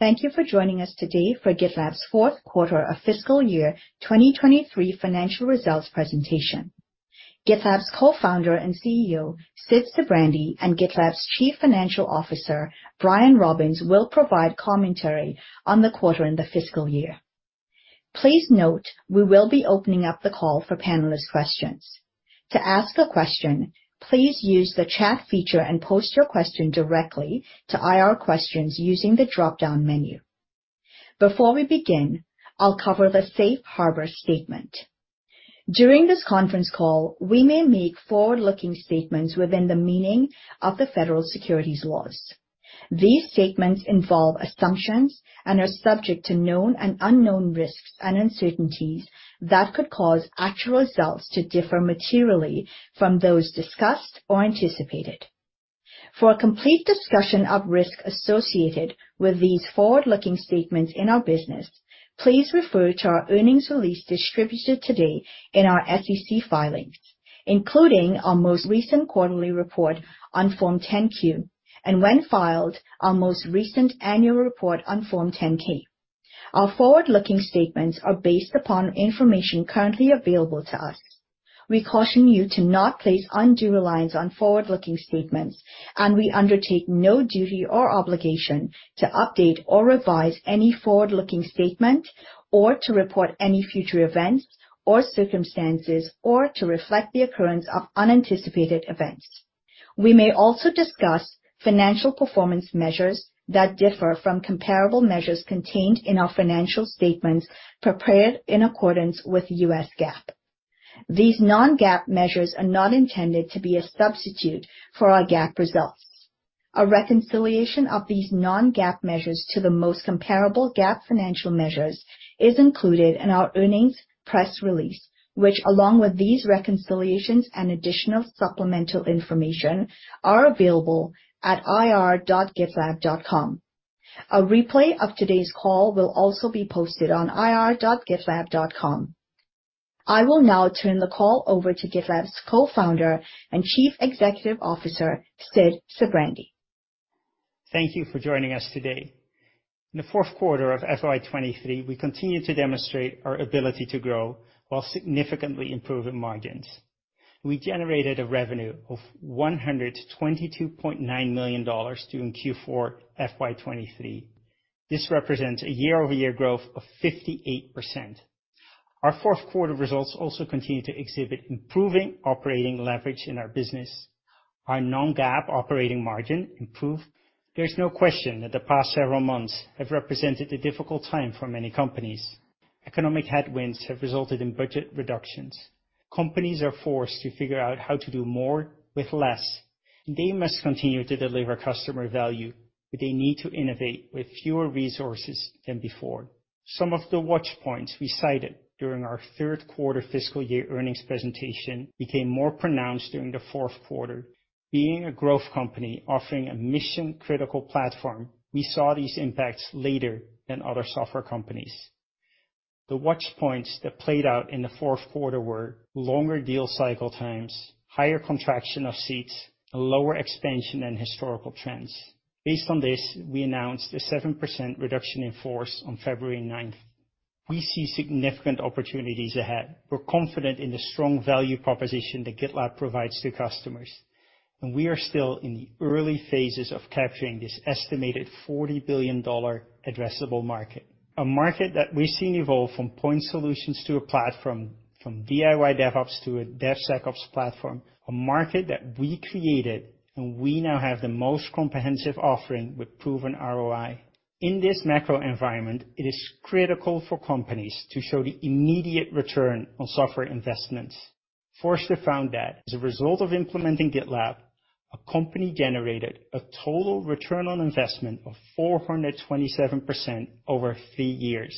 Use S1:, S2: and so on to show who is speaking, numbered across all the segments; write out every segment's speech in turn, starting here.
S1: Thank you for joining us today for GitLab's fourth quarter of fiscal year 2023 financial results presentation. GitLab's Co-founder and CEO, Sid Sijbrandij, and GitLab's Chief Financial Officer, Brian Robins, will provide commentary on the quarter and the fiscal year. Please note, we will be opening up the call for panelist questions. To ask a question, please use the chat feature and post your question directly to IR questions using the dropdown menu. Before we begin, I'll cover the safe harbor statement. During this conference call, we may make forward-looking statements within the meaning of the Federal Securities Laws. These statements involve assumptions and are subject to known and unknown risks and uncertainties that could cause actual results to differ materially from those discussed or anticipated. For a complete discussion of risk associated with these forward-looking statements in our business, please refer to our earnings release distributed today in our SEC filing, including our most recent quarterly report on Form 10-Q, and when filed, our most recent annual report on Form 10-K. Our forward-looking statements are based upon information currently available to us. We caution you to not place undue reliance on forward-looking statements, we undertake no duty or obligation to update or revise any forward-looking statement or to report any future events or circumstances, or to reflect the occurrence of unanticipated events. We may also discuss financial performance measures that differ from comparable measures contained in our financial statements prepared in accordance with U.S. GAAP. These non-GAAP measures are not intended to be a substitute for our GAAP results. A reconciliation of these non-GAAP measures to the most comparable GAAP financial measures is included in our earnings press release, which along with these reconciliations and additional supplemental information are available at ir.gitlab.com. A replay of today's call will also be posted on ir.gitlab.com. I will now turn the call over to GitLab's Co-Founder and Chief Executive Officer, Sid Sijbrandij.
S2: Thank you for joining us today. In the fourth quarter of FY 2023, we continued to demonstrate our ability to grow while significantly improving margins. We generated a revenue of $122.9 million during Q4 FY 2023. This represents a year-over-year growth of 58%. Our fourth quarter results also continue to exhibit improving operating leverage in our business. Our non-GAAP operating margin improved. There's no question that the past several months have represented a difficult time for many companies. Economic headwinds have resulted in budget reductions. Companies are forced to figure out how to do more with less. They must continue to deliver customer value, but they need to innovate with fewer resources than before. Some of the watch points we cited during our third quarter fiscal year earnings presentation became more pronounced during the fourth quarter. Being a growth company offering a mission-critical platform, we saw these impacts later than other software companies. The watch points that played out in the fourth quarter were longer deal cycle times, higher contraction of seats, a lower expansion than historical trends. Based on this, we announced a 7% reduction in force on February 9th. We see significant opportunities ahead. We're confident in the strong value proposition that GitLab provides to customers, and we are still in the early phases of capturing this estimated $40 billion addressable market, a market that we've seen evolve from point solutions to a platform, from DIY DevOps to a DevSecOps platform, a market that we created, and we now have the most comprehensive offering with proven ROI. In this macro environment, it is critical for companies to show the immediate return on software investments. Forrester found that as a result of implementing GitLab, a company generated a total return on investment of 427% over three years.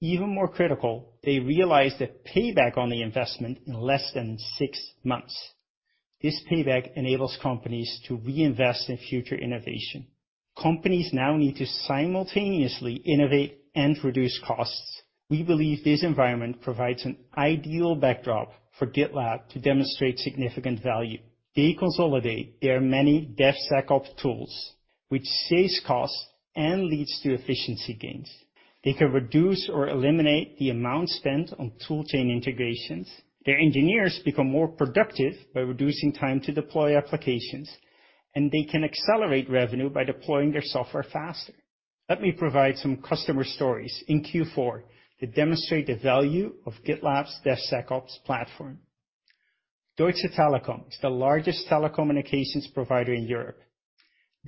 S2: Even more critical, they realized a payback on the investment in less than six months. This payback enables companies to reinvest in future innovation. Companies now need to simultaneously innovate and reduce costs. We believe this environment provides an ideal backdrop for GitLab to demonstrate significant value. They consolidate their many DevSecOps tools, which saves costs and leads to efficiency gains. They can reduce or eliminate the amount spent on tool chain integrations. Their engineers become more productive by reducing time to deploy applications, and they can accelerate revenue by deploying their software faster. Let me provide some customer stories in Q4 to demonstrate the value of GitLab's DevSecOps platform. Deutsche Telekom is the largest telecommunications provider in Europe.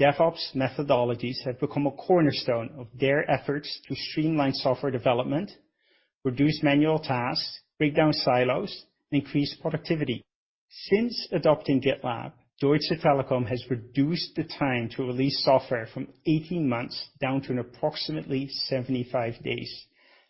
S2: DevOps methodologies have become a cornerstone of their efforts to streamline software development, reduce manual tasks, break down silos, and increase productivity. Since adopting GitLab, Deutsche Telekom has reduced the time to release software from 18 months down to an approximately 75 days.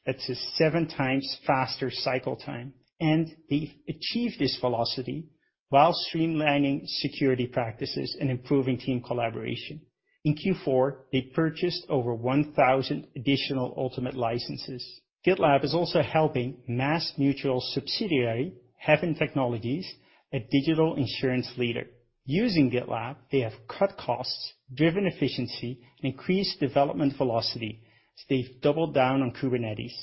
S2: That's a seven times faster cycle time, and they've achieved this velocity while streamlining security practices and improving team collaboration. In Q4, they purchased over 1,000 additional Ultimate licenses. GitLab is also helping MassMutual's subsidiary, Haven Technologies, a digital insurance leader. Using GitLab, they have cut costs, driven efficiency, and increased development velocity, so they've doubled down on Kubernetes.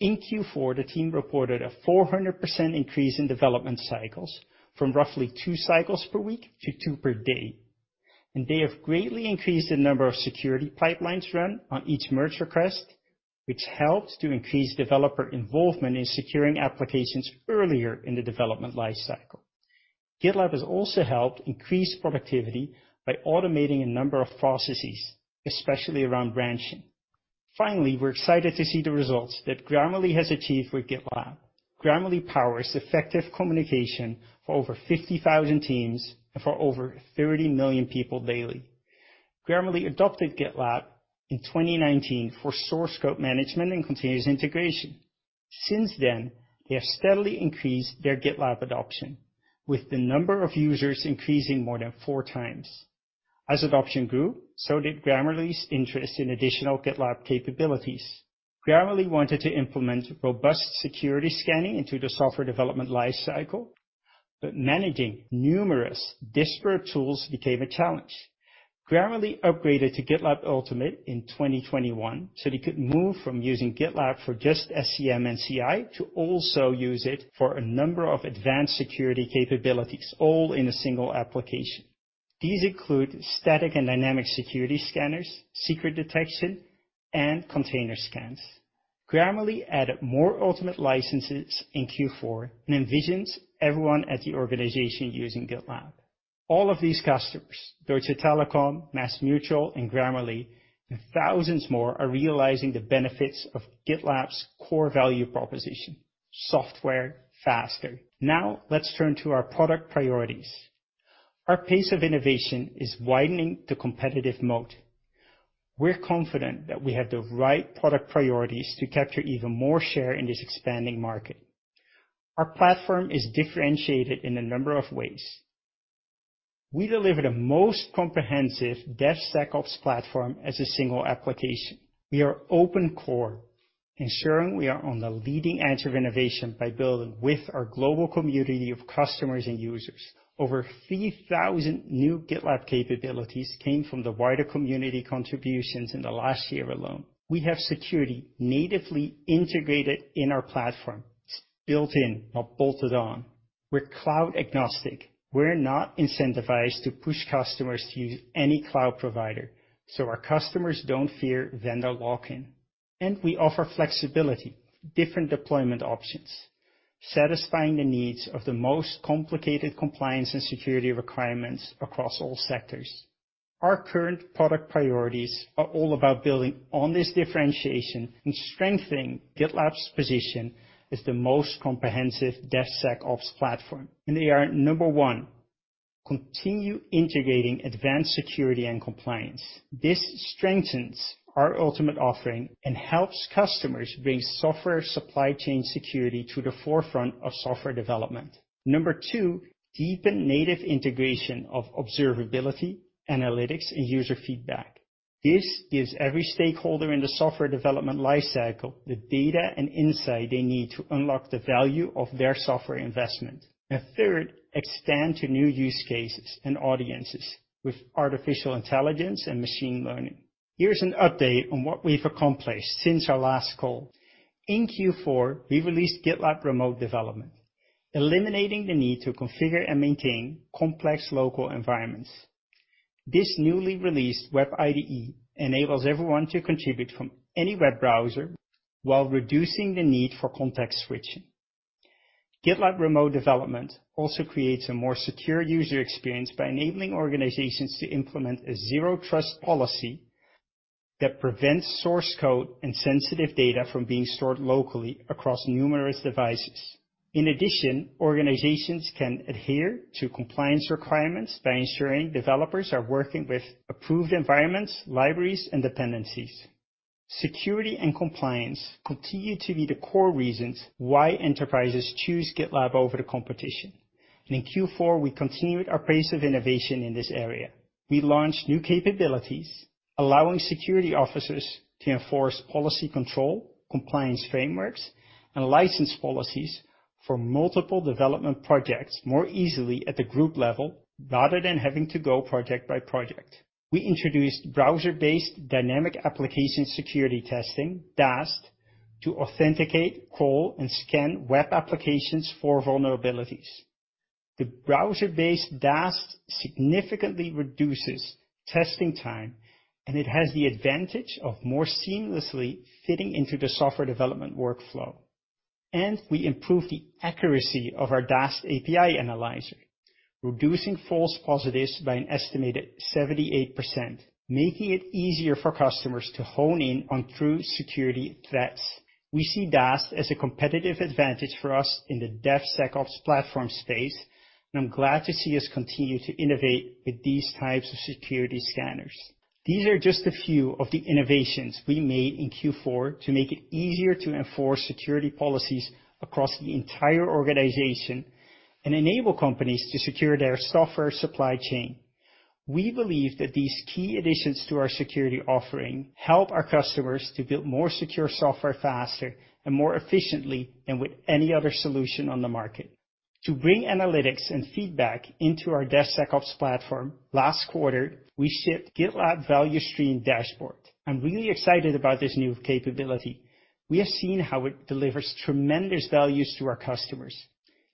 S2: In Q4, the team reported a 400% increase in development cycles from roughly two cycles per week to two per day. They have greatly increased the number of security pipelines run on each merge request, which helps to increase developer involvement in securing applications earlier in the development life cycle. GitLab has also helped increase productivity by automating a number of processes, especially around branching. Finally, we're excited to see the results that Grammarly has achieved with GitLab. Grammarly powers effective communication for over 50,000 teams and for over 30 million people daily. Grammarly adopted GitLab in 2019 for source code management and continuous integration. Since then, they have steadily increased their GitLab adoption, with the number of users increasing more than four times. As adoption grew, so did Grammarly's interest in additional GitLab capabilities. Grammarly wanted to implement robust security scanning into the software development life cycle, but managing numerous disparate tools became a challenge. Grammarly upgraded to GitLab Ultimate in 2021 so they could move from using GitLab for just SCM and CI to also use it for a number of advanced security capabilities, all in a single application. These include static and dynamic security scanners, secret detection, and container scans. Grammarly added more ultimate licenses in Q4 and envisions everyone at the organization using GitLab. All of these customers, Deutsche Telekom, MassMutual, and Grammarly, and thousands more are realizing the benefits of GitLab's core value proposition, software faster. Let's turn to our product priorities. Our pace of innovation is widening the competitive moat. We're confident that we have the right product priorities to capture even more share in this expanding market. Our platform is differentiated in a number of ways. We deliver the most comprehensive DevSecOps platform as a single application. We are open core, ensuring we are on the leading edge of innovation by building with our global community of customers and users. Over 3,000 new GitLab capabilities came from the wider community contributions in the last year alone. We have security natively integrated in our platform. It's built in, not bolted on. We're cloud agnostic. We're not incentivized to push customers to use any cloud provider, our customers don't fear vendor lock-in. We offer flexibility, different deployment options, satisfying the needs of the most complicated compliance and security requirements across all sectors. Our current product priorities are all about building on this differentiation and strengthening GitLab's position as the most comprehensive DevSecOps platform. They are number one, continue integrating advanced security and compliance. This strengthens our ultimate offering and helps customers bring software supply chain security to the forefront of software development. Number two, deepen native integration of observability, analytics, and user feedback. This gives every stakeholder in the software development life cycle the data and insight they need to unlock the value of their software investment. Third, extend to new use cases and audiences with artificial intelligence and machine learning. Here's an update on what we've accomplished since our last call. In Q4, we released GitLab Remote Development, eliminating the need to configure and maintain complex local environments. This newly released Web IDE enables everyone to contribute from any web browser while reducing the need for context switching. GitLab Remote Development also creates a more secure user experience by enabling organizations to implement a zero-trust policy that prevents source code and sensitive data from being stored locally across numerous devices. In addition, organizations can adhere to compliance requirements by ensuring developers are working with approved environments, libraries, and dependencies. Security and compliance continue to be the core reasons why enterprises choose GitLab over the competition. In Q4, we continued our pace of innovation in this area. We launched new capabilities, allowing security officers to enforce policy control, compliance frameworks, and license policies for multiple development projects more easily at the group level rather than having to go project by project. We introduced browser-based Dynamic Application Security Testing, DAST, to authenticate, call, and scan web applications for vulnerabilities. The browser-based DAST significantly reduces testing time, and it has the advantage of more seamlessly fitting into the software development workflow. We improved the accuracy of our DAST API analyzer, reducing false positives by an estimated 78%, making it easier for customers to hone in on true security threats. We see DAST as a competitive advantage for us in the DevSecOps platform space, and I'm glad to see us continue to innovate with these types of security scanners. These are just a few of the innovations we made in Q4 to make it easier to enforce security policies across the entire organization and enable companies to secure their software supply chain. We believe that these key additions to our security offering help our customers to build more secure software faster and more efficiently than with any other solution on the market. To bring analytics and feedback into our DevSecOps platform, last quarter, we shipped GitLab Value Streams Dashboard. I'm really excited about this new capability. We have seen how it delivers tremendous values to our customers.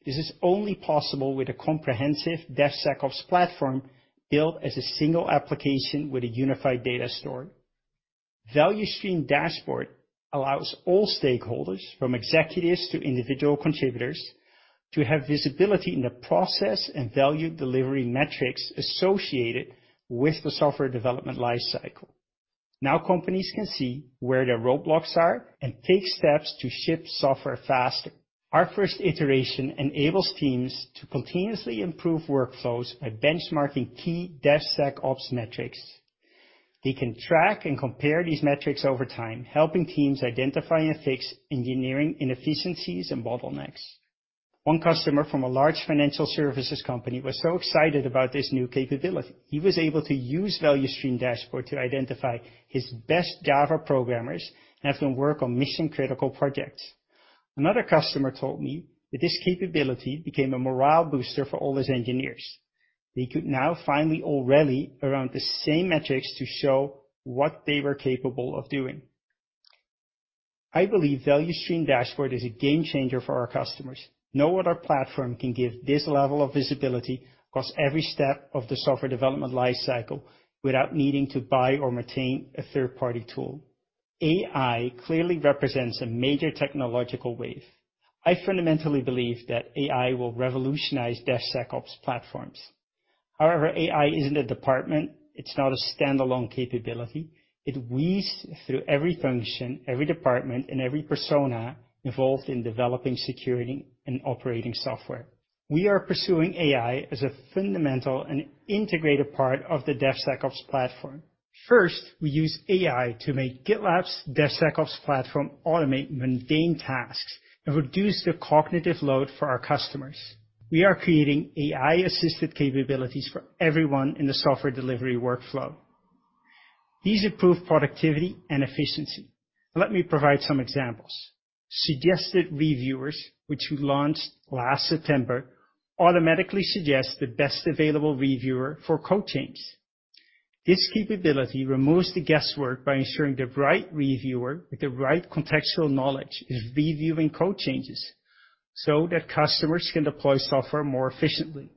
S2: This is only possible with a comprehensive DevSecOps platform built as a single application with a unified data store. Value Streams Dashboard allows all stakeholders, from executives to individual contributors, to have visibility in the process and value delivery metrics associated with the software development lifecycle. Now companies can see where their roadblocks are and take steps to ship software faster. Our first iteration enables teams to continuously improve workflows by benchmarking key DevSecOps metrics. They can track and compare these metrics over time, helping teams identify and fix engineering inefficiencies and bottlenecks. One customer from a large financial services company was so excited about this new capability. He was able to use Value Streams Dashboard to identify his best Java programmers and have them work on mission-critical projects. Another customer told me that this capability became a morale booster for all his engineers. They could now finally all rally around the same metrics to show what they were capable of doing. I believe Value Streams Dashboard is a game-changer for our customers. No other platform can give this level of visibility across every step of the software development lifecycle without needing to buy or maintain a third-party tool. AI clearly represents a major technological wave. I fundamentally believe that AI will revolutionize DevSecOps platforms. AI isn't a department. It's not a stand-alone capability. It weaves through every function, every department, and every persona involved in developing security and operating software. We are pursuing AI as a fundamental and integrated part of the DevSecOps platform. We use AI to make GitLab's DevSecOps platform automate mundane tasks and reduce the cognitive load for our customers. We are creating AI-assisted capabilities for everyone in the software delivery workflow. These improve productivity and efficiency. Let me provide some examples. Suggested Reviewers, which we launched last September, automatically suggests the best available reviewer for code changes. This capability removes the guesswork by ensuring the right reviewer with the right contextual knowledge is reviewing code changes so that customers can deploy software more efficiently.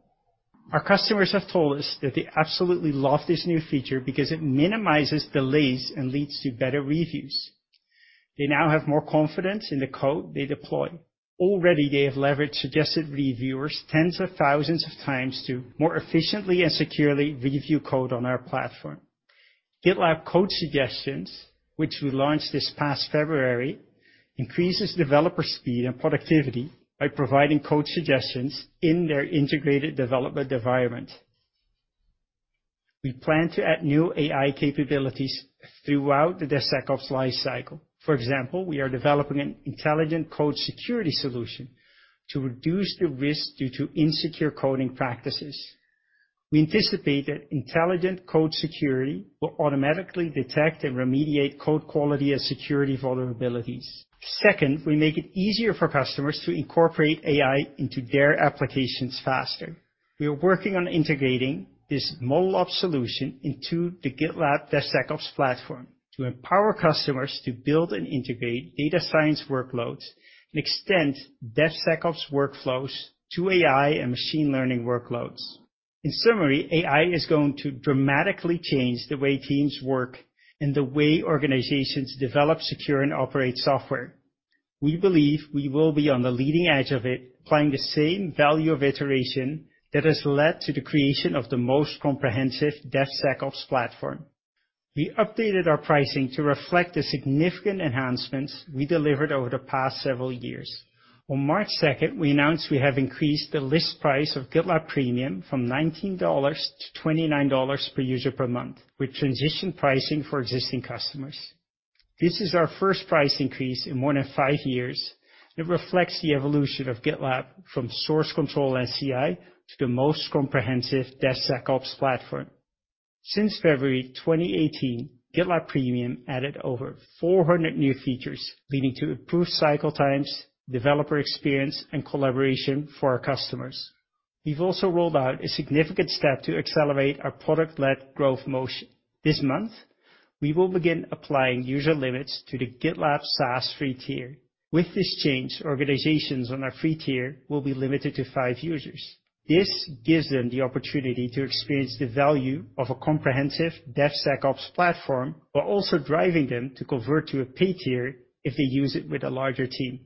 S2: Our customers have told us that they absolutely love this new feature because it minimizes delays and leads to better reviews. They now have more confidence in the code they deploy. Already, they have leveraged Suggested Reviewers tens of thousands of times to more efficiently and securely review code on our platform. GitLab Code Suggestions, which we launched this past February, increases developer speed and productivity by providing code suggestions in their integrated development environment. We plan to add new AI capabilities throughout the DevSecOps lifecycle. For example, we are developing an intelligent code security solution to reduce the risk due to insecure coding practices. We anticipate that intelligent code security will automatically detect and remediate code quality and security vulnerabilities. Second, we make it easier for customers to incorporate AI into their applications faster. We are working on integrating this model of solution into the GitLab DevSecOps platform to empower customers to build and integrate data science workloads and extend DevSecOps workflows to AI and machine learning workloads. In summary, AI is going to dramatically change the way teams work and the way organizations develop, secure, and operate software. We believe we will be on the leading edge of it, applying the same value of iteration that has led to the creation of the most comprehensive DevSecOps platform. We updated our pricing to reflect the significant enhancements we delivered over the past several years. On March second, we announced we have increased the list price of GitLab Premium from $19 to $29 per user per month, with transition pricing for existing customers. This is our first price increase in more than five years. It reflects the evolution of GitLab from source control and CI to the most comprehensive DevSecOps platform. Since February 2018, GitLab Premium added over 400 new features, leading to improved cycle times, developer experience, and collaboration for our customers. We've also rolled out a significant step to accelerate our product-led growth motion. This month, we will begin applying user limits to the GitLab SaaS free tier. With this change, organizations on our free tier will be limited to five users. This gives them the opportunity to experience the value of a comprehensive DevSecOps platform, while also driving them to convert to a paid tier if they use it with a larger team.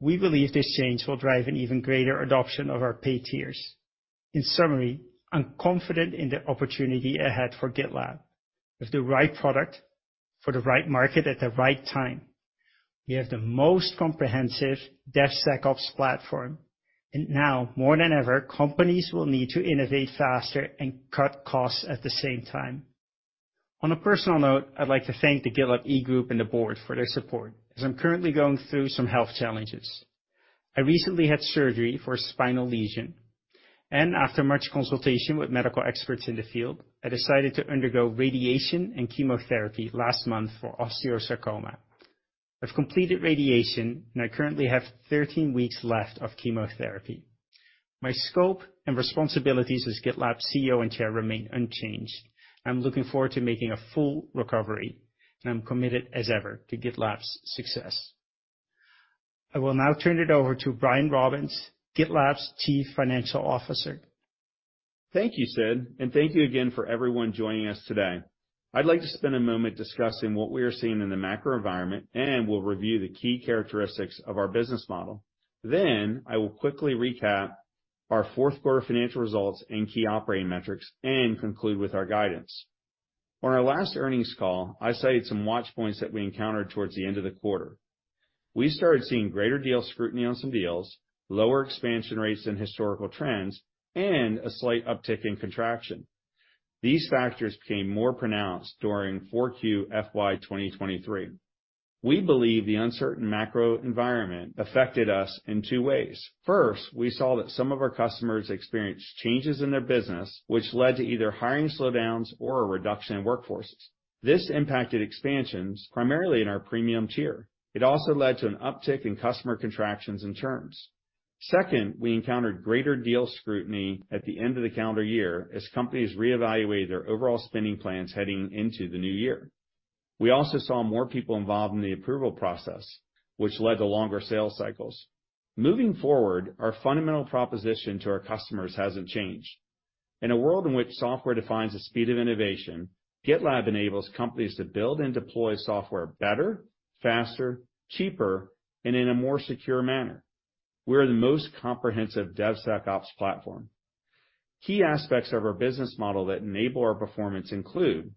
S2: We believe this change will drive an even greater adoption of our paid tiers. In summary, I'm confident in the opportunity ahead for GitLab. With the right product for the right market at the right time, we have the most comprehensive DevSecOps platform. Now more than ever, companies will need to innovate faster and cut costs at the same time. On a personal note, I'd like to thank the GitLab e-group and the board for their support, as I'm currently going through some health challenges. I recently had surgery for a spinal lesion. After much consultation with medical experts in the field, I decided to undergo radiation and chemotherapy last month for osteosarcoma. I've completed radiation, and I currently have 13 weeks left of chemotherapy. My scope and responsibilities as GitLab CEO and Chair remain unchanged. I'm looking forward to making a full recovery, and I'm committed as ever to GitLab's success. I will now turn it over to Brian Robins, GitLab's Chief Financial Officer.
S3: Thank you, Sid. Thank you again for everyone joining us today. I'd like to spend a moment discussing what we are seeing in the macro environment, and we'll review the key characteristics of our business model. I will quickly recap our fourth quarter financial results and key operating metrics and conclude with our guidance. On our last earnings call, I cited some watch points that we encountered towards the end of the quarter. We started seeing greater deal scrutiny on some deals, lower expansion rates than historical trends, and a slight uptick in contraction. These factors became more pronounced during 4Q FY2023. We believe the uncertain macro environment affected us in two ways. First, we saw that some of our customers experienced changes in their business, which led to either hiring slowdowns or a reduction in workforces. This impacted expansions primarily in our Premium tier. It also led to an uptick in customer contractions and terms. We encountered greater deal scrutiny at the end of the calendar year as companies reevaluated their overall spending plans heading into the new year. We also saw more people involved in the approval process, which led to longer sales cycles. Moving forward, our fundamental proposition to our customers hasn't changed. In a world in which software defines the speed of innovation, GitLab enables companies to build and deploy software better, faster, cheaper, and in a more secure manner. We are the most comprehensive DevSecOps platform. Key aspects of our business model that enable our performance include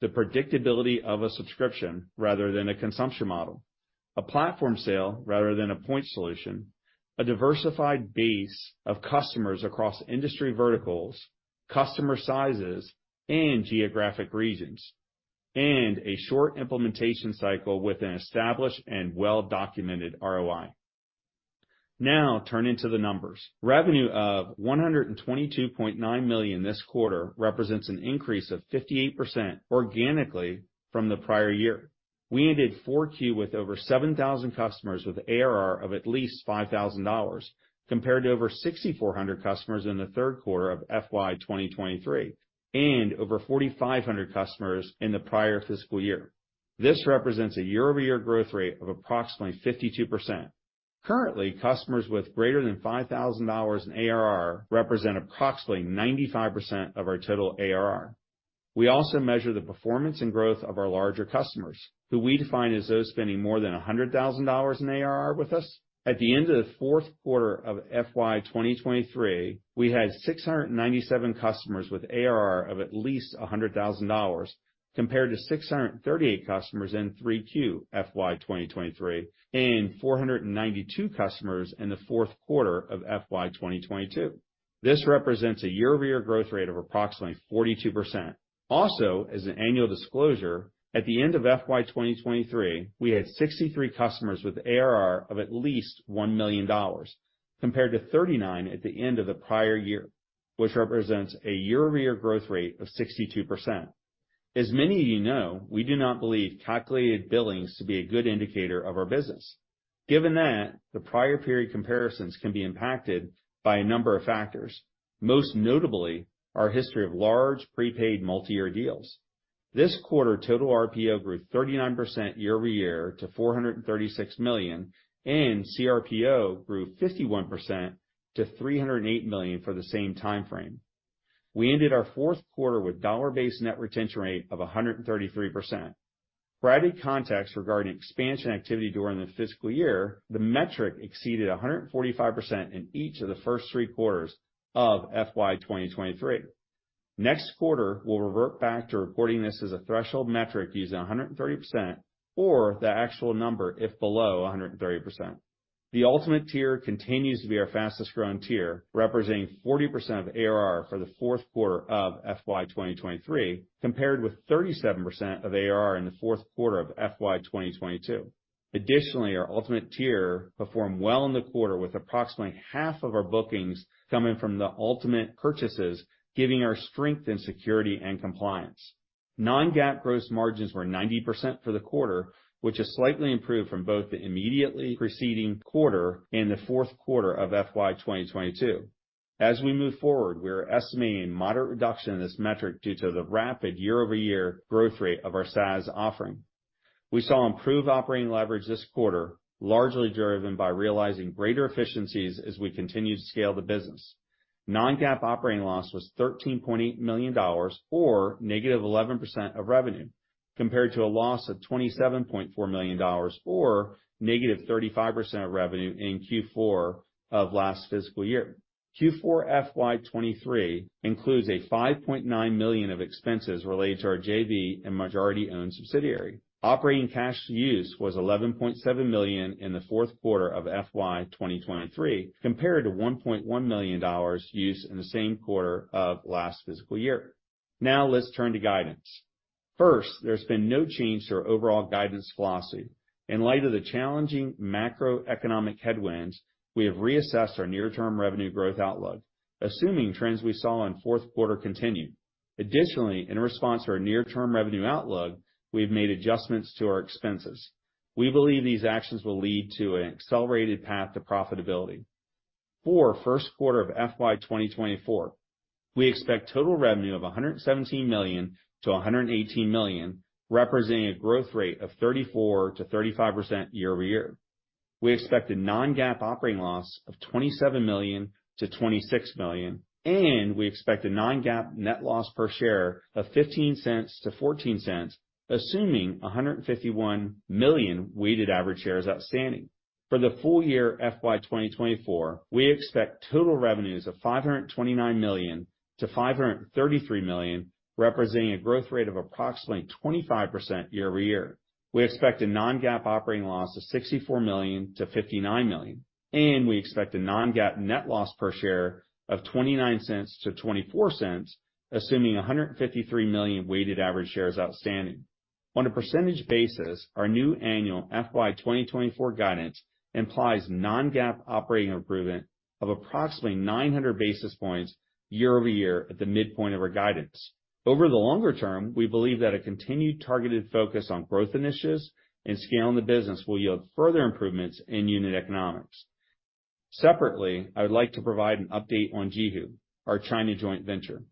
S3: the predictability of a subscription rather than a consumption model, a platform sale rather than a point solution, a diversified base of customers across industry verticals, customer sizes, and geographic regions, and a short implementation cycle with an established and well-documented ROI. Now turning to the numbers. Revenue of $122.9 million this quarter represents an increase of 58% organically from the prior year. We ended 4Q with over 7,000 customers with ARR of at least $5,000, compared to over 6,400 customers in the 3Q of FY 2023 and over 4,500 customers in the prior fiscal year. This represents a year-over-year growth rate of approximately 52%. Currently, customers with greater than $5,000 in ARR represent approximately 95% of our total ARR. We also measure the performance and growth of our larger customers, who we define as those spending more than $100,000 in ARR with us. At the end of the fourth quarter of FY 2023, we had 697 customers with ARR of at least $100,000, compared to 638 customers in 3Q FY 2023 and 492 customers in the fourth quarter of FY 2022. This represents a year-over-year growth rate of approximately 42%. Also, as an annual disclosure, at the end of FY 2023, we had 63 customers with ARR of at least $1 million, compared to 39 at the end of the prior year, which represents a year-over-year growth rate of 62%. As many of you know, we do not believe calculated billings to be a good indicator of our business. Given that, the prior period comparisons can be impacted by a number of factors, most notably our history of large prepaid multi-year deals. This quarter, total RPO grew 39% year-over-year to $436 million, and CRPO grew 51% to $308 million for the same timeframe. We ended our fourth quarter with dollar-based net retention rate of 133%. Providing context regarding expansion activity during the fiscal year, the metric exceeded 145% in each of the first three quarters of FY 2023. Next quarter, we'll revert back to reporting this as a threshold metric using 130% or the actual number if below 130%. The Ultimate tier continues to be our fastest-growing tier, representing 40% of ARR for the fourth quarter of FY 2023, compared with 37% of ARR in the fourth quarter of FY 2022. Additionally, our Ultimate tier performed well in the quarter, with approximately half of our bookings coming from the Ultimate purchases, giving our strength in security and compliance. Non-GAAP gross margins were 90% for the quarter, which is slightly improved from both the immediately preceding quarter and the fourth quarter of FY 2022. As we move forward, we are estimating moderate reduction in this metric due to the rapid year-over-year growth rate of our SaaS offering. We saw improved operating leverage this quarter, largely driven by realizing greater efficiencies as we continue to scale the business. Non-GAAP operating loss was $13.8 million or negative 11% of revenue, compared to a loss of $27.4 million or negative 35% of revenue in Q4 of last fiscal year. Q4 FY2023 includes a $5.9 million of expenses related to our JV and majority-owned subsidiary. Operating cash use was $11.7 million in the fourth quarter of FY2023, compared to $1.1 million used in the same quarter of last fiscal year. Now, let's turn to guidance. First, there's been no change to our overall guidance philosophy. In light of the challenging macroeconomic headwinds, we have reassessed our near-term revenue growth outlook, assuming trends we saw in fourth quarter continue. Additionally, in response to our near-term revenue outlook, we've made adjustments to our expenses. We believe these actions will lead to an accelerated path to profitability. For first quarter of FY2024, we expect total revenue of $117 million-$118 million, representing a growth rate of 34%-35% year-over-year. We expect a non-GAAP operating loss of $27 million-$26 million, and we expect a non-GAAP net loss per share of $0.15-$0.14, assuming 151 million weighted average shares outstanding. For the full year FY 2024, we expect total revenues of $529 million-$533 million, representing a growth rate of approximately 25% year-over-year. We expect a non-GAAP operating loss of $64 million-$59 million, and we expect a non-GAAP net loss per share of $0.29-$0.24, assuming 153 million weighted average shares outstanding. On a percentage basis, our new annual FY 2024 guidance implies non-GAAP operating improvement of approximately 900 basis points year-over-year at the midpoint of our guidance. Over the longer term, we believe that a continued targeted focus on growth initiatives and scaling the business will yield further improvements in unit economics. Separately, I would like to provide an update on JiHu, our China joint venture.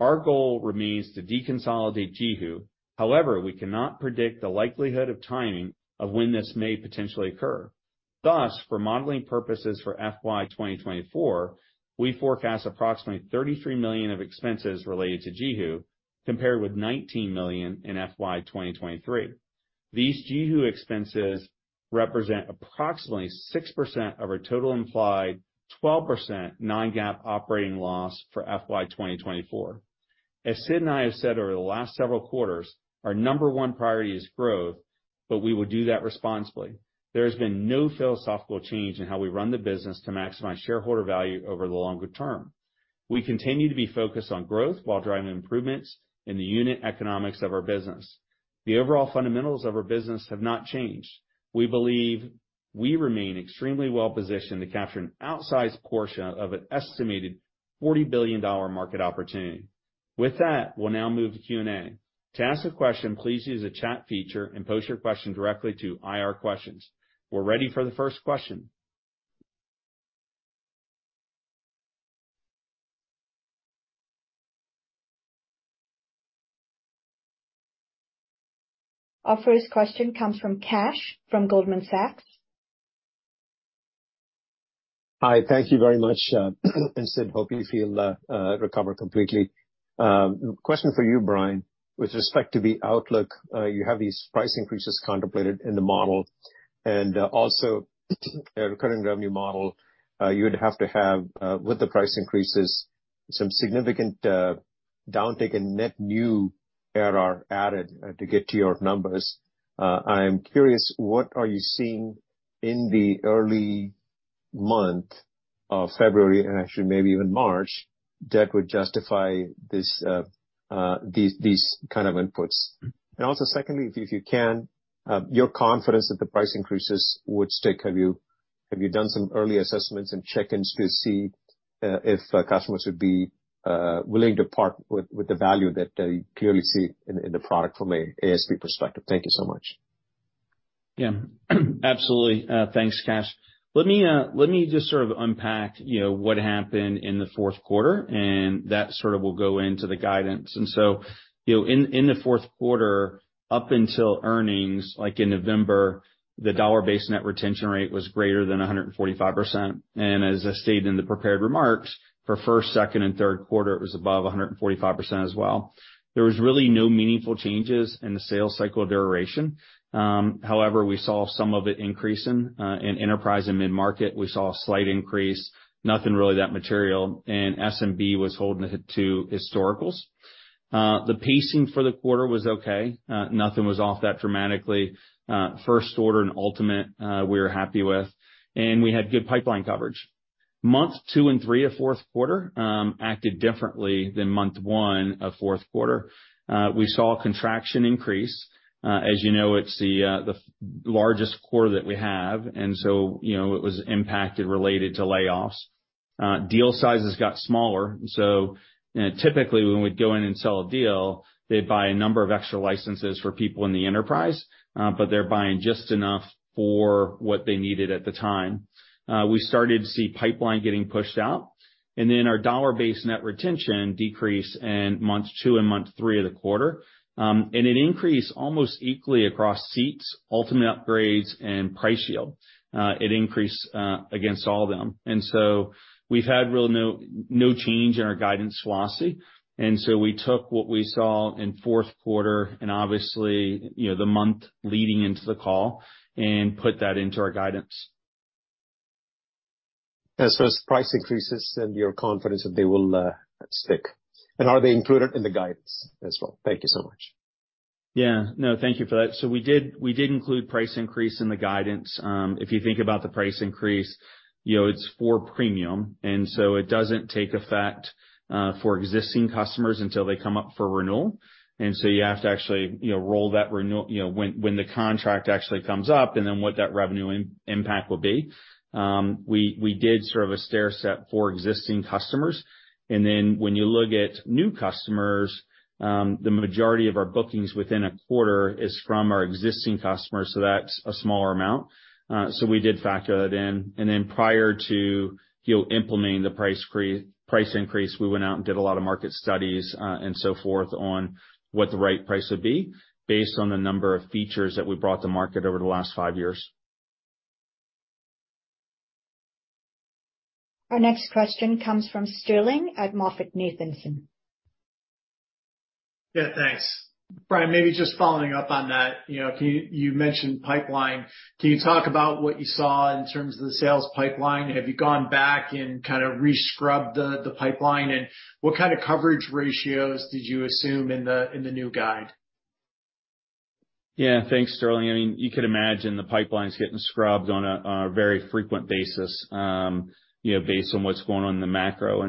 S3: Our goal remains to deconsolidate JiHu. We cannot predict the likelihood of timing of when this may potentially occur. For modeling purposes for FY 2024, we forecast approximately $33 million of expenses related to JiHu, compared with $19 million in FY 2023. These JiHu expenses represent approximately 6% of our total implied 12% non-GAAP operating loss for FY 2024. As Sid and I have said over the last several quarters, our number one priority is growth, but we will do that responsibly. There has been no philosophical change in how we run the business to maximize shareholder value over the longer term. We continue to be focused on growth while driving improvements in the unit economics of our business. The overall fundamentals of our business have not changed. We believe we remain extremely well positioned to capture an outsized portion of an estimated $40 billion market opportunity. With that, we'll now move to Q&A. To ask a question, please use the chat feature and post your question directly to IR questions. We're ready for the first question.
S1: Our first question comes from Kash from Goldman Sachs.
S4: Hi. Thank you very much, Sid. Hope you feel recovered completely. Question for you, Brian. With respect to the outlook, you have these price increases contemplated in the model and also a recurring revenue model, you would have to have with the price increases some significant downtick in net new ARR added to get to your numbers. I am curious, what are you seeing in the early month of February, and actually maybe even March, that would justify these kind of inputs? Also secondly, if you can, your confidence that the price increases would stick? Have you done some early assessments and check-ins to see if customers would be willing to part with the value that they clearly see in the product from a ASP perspective? Thank you so much.
S3: Yeah. Absolutely. Thanks, Kash. Let me, let me just sort of unpack, you know, what happened in the fourth quarter, that sort of will go into the guidance. You know, in the fourth quarter, up until earnings, like in November, the dollar-based net retention rate was greater than 145%. As I stated in the prepared remarks, for first, second, and third quarter, it was above 145% as well. There was really no meaningful changes in the sales cycle duration. However, we saw some of it increase in enterprise and mid-market. We saw a slight increase, nothing really that material. SMB was holding to historicals. The pacing for the quarter was okay. Nothing was off that dramatically. First order and Ultimate, we were happy with, and we had good pipeline coverage. Month two and three of fourth quarter acted differently than month one of fourth quarter. We saw contraction increase. As you know, it's the largest quarter that we have, you know, it was impacted related to layoffs. Deal sizes got smaller. Typically, when we'd go in and sell a deal, they'd buy a number of extra licenses for people in the enterprise, but they're buying just enough for what they needed at the time. We started to see pipeline getting pushed out, our dollar-based net retention decrease in month two and month three of the quarter. It increased almost equally across seats, Ultimate upgrades, and price yield. It increased against all of them. We've had real no change in our guidance philosophy, and so we took what we saw in fourth quarter and obviously, you know, the month leading into the call and put that into our guidance.
S4: As far as price increases and your confidence that they will, stick? Are they included in the guidance as well? Thank you so much.
S3: Yeah, no, thank you for that. We did include price increase in the guidance. If you think about the price increase, you know, it's for Premium, it doesn't take effect for existing customers until they come up for renewal. You have to actually, you know, roll that, you know, when the contract actually comes up, and then what that revenue impact will be. We did sort of a stair-step for existing customers. When you look at new customers, the majority of our bookings within a quarter is from our existing customers, that's a smaller amount. We did factor that in. Prior to, you know, implementing the price increase, we went out and did a lot of market studies, and so forth on what the right price would be based on the number of features that we brought to market over the last five years.
S1: Our next question comes from Sterling at MoffettNathanson.
S5: Yeah, thanks. Brian, maybe just following up on that. You know, You mentioned pipeline. Can you talk about what you saw in terms of the sales pipeline? Have you gone back and kinda re-scrubbed the pipeline, and what kind of coverage ratios did you assume in the new guide?
S3: Yeah. Thanks, Sterling. I mean, you could imagine the pipeline's getting scrubbed on a very frequent basis, you know, based on what's going on in the macro.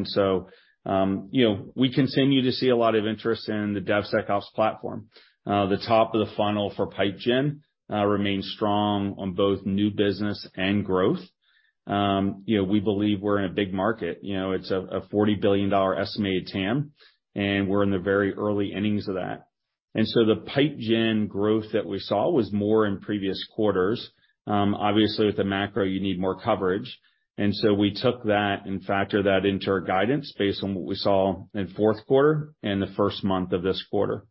S3: You know, we continue to see a lot of interest in the DevSecOps platform. The top of the funnel for pipe gen remains strong on both new business and growth. You know, we believe we're in a big market. You know, it's a $40 billion estimated TAM, and we're in the very early innings of that. The pipe gen growth that we saw was more in previous quarters. Obviously with the macro you need more coverage. We took that and factored that into our guidance based on what we saw in fourth quarter and the first month of this quarter.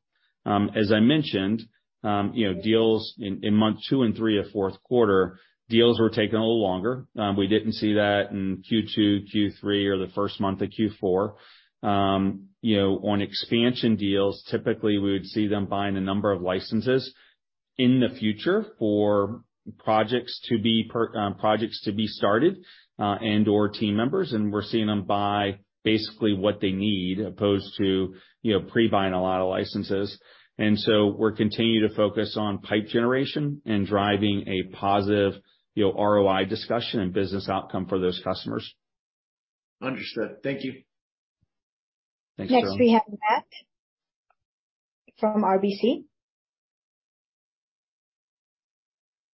S3: As I mentioned, you know, deals in month two and three of fourth quarter, deals were taking a little longer. We didn't see that in Q2, Q3, or the first month of Q4. You know, on expansion deals, typically we would see them buying a number of licenses in the future for projects to be started, and/or team members, and we're seeing them buy basically what they need as opposed to, you know, pre-buying a lot of licenses. We're continuing to focus on pipe generation and driving a positive, you know, ROI discussion and business outcome for those customers.
S5: Understood. Thank you.
S3: Thanks, Sterling.
S1: Next we have Matt from RBC.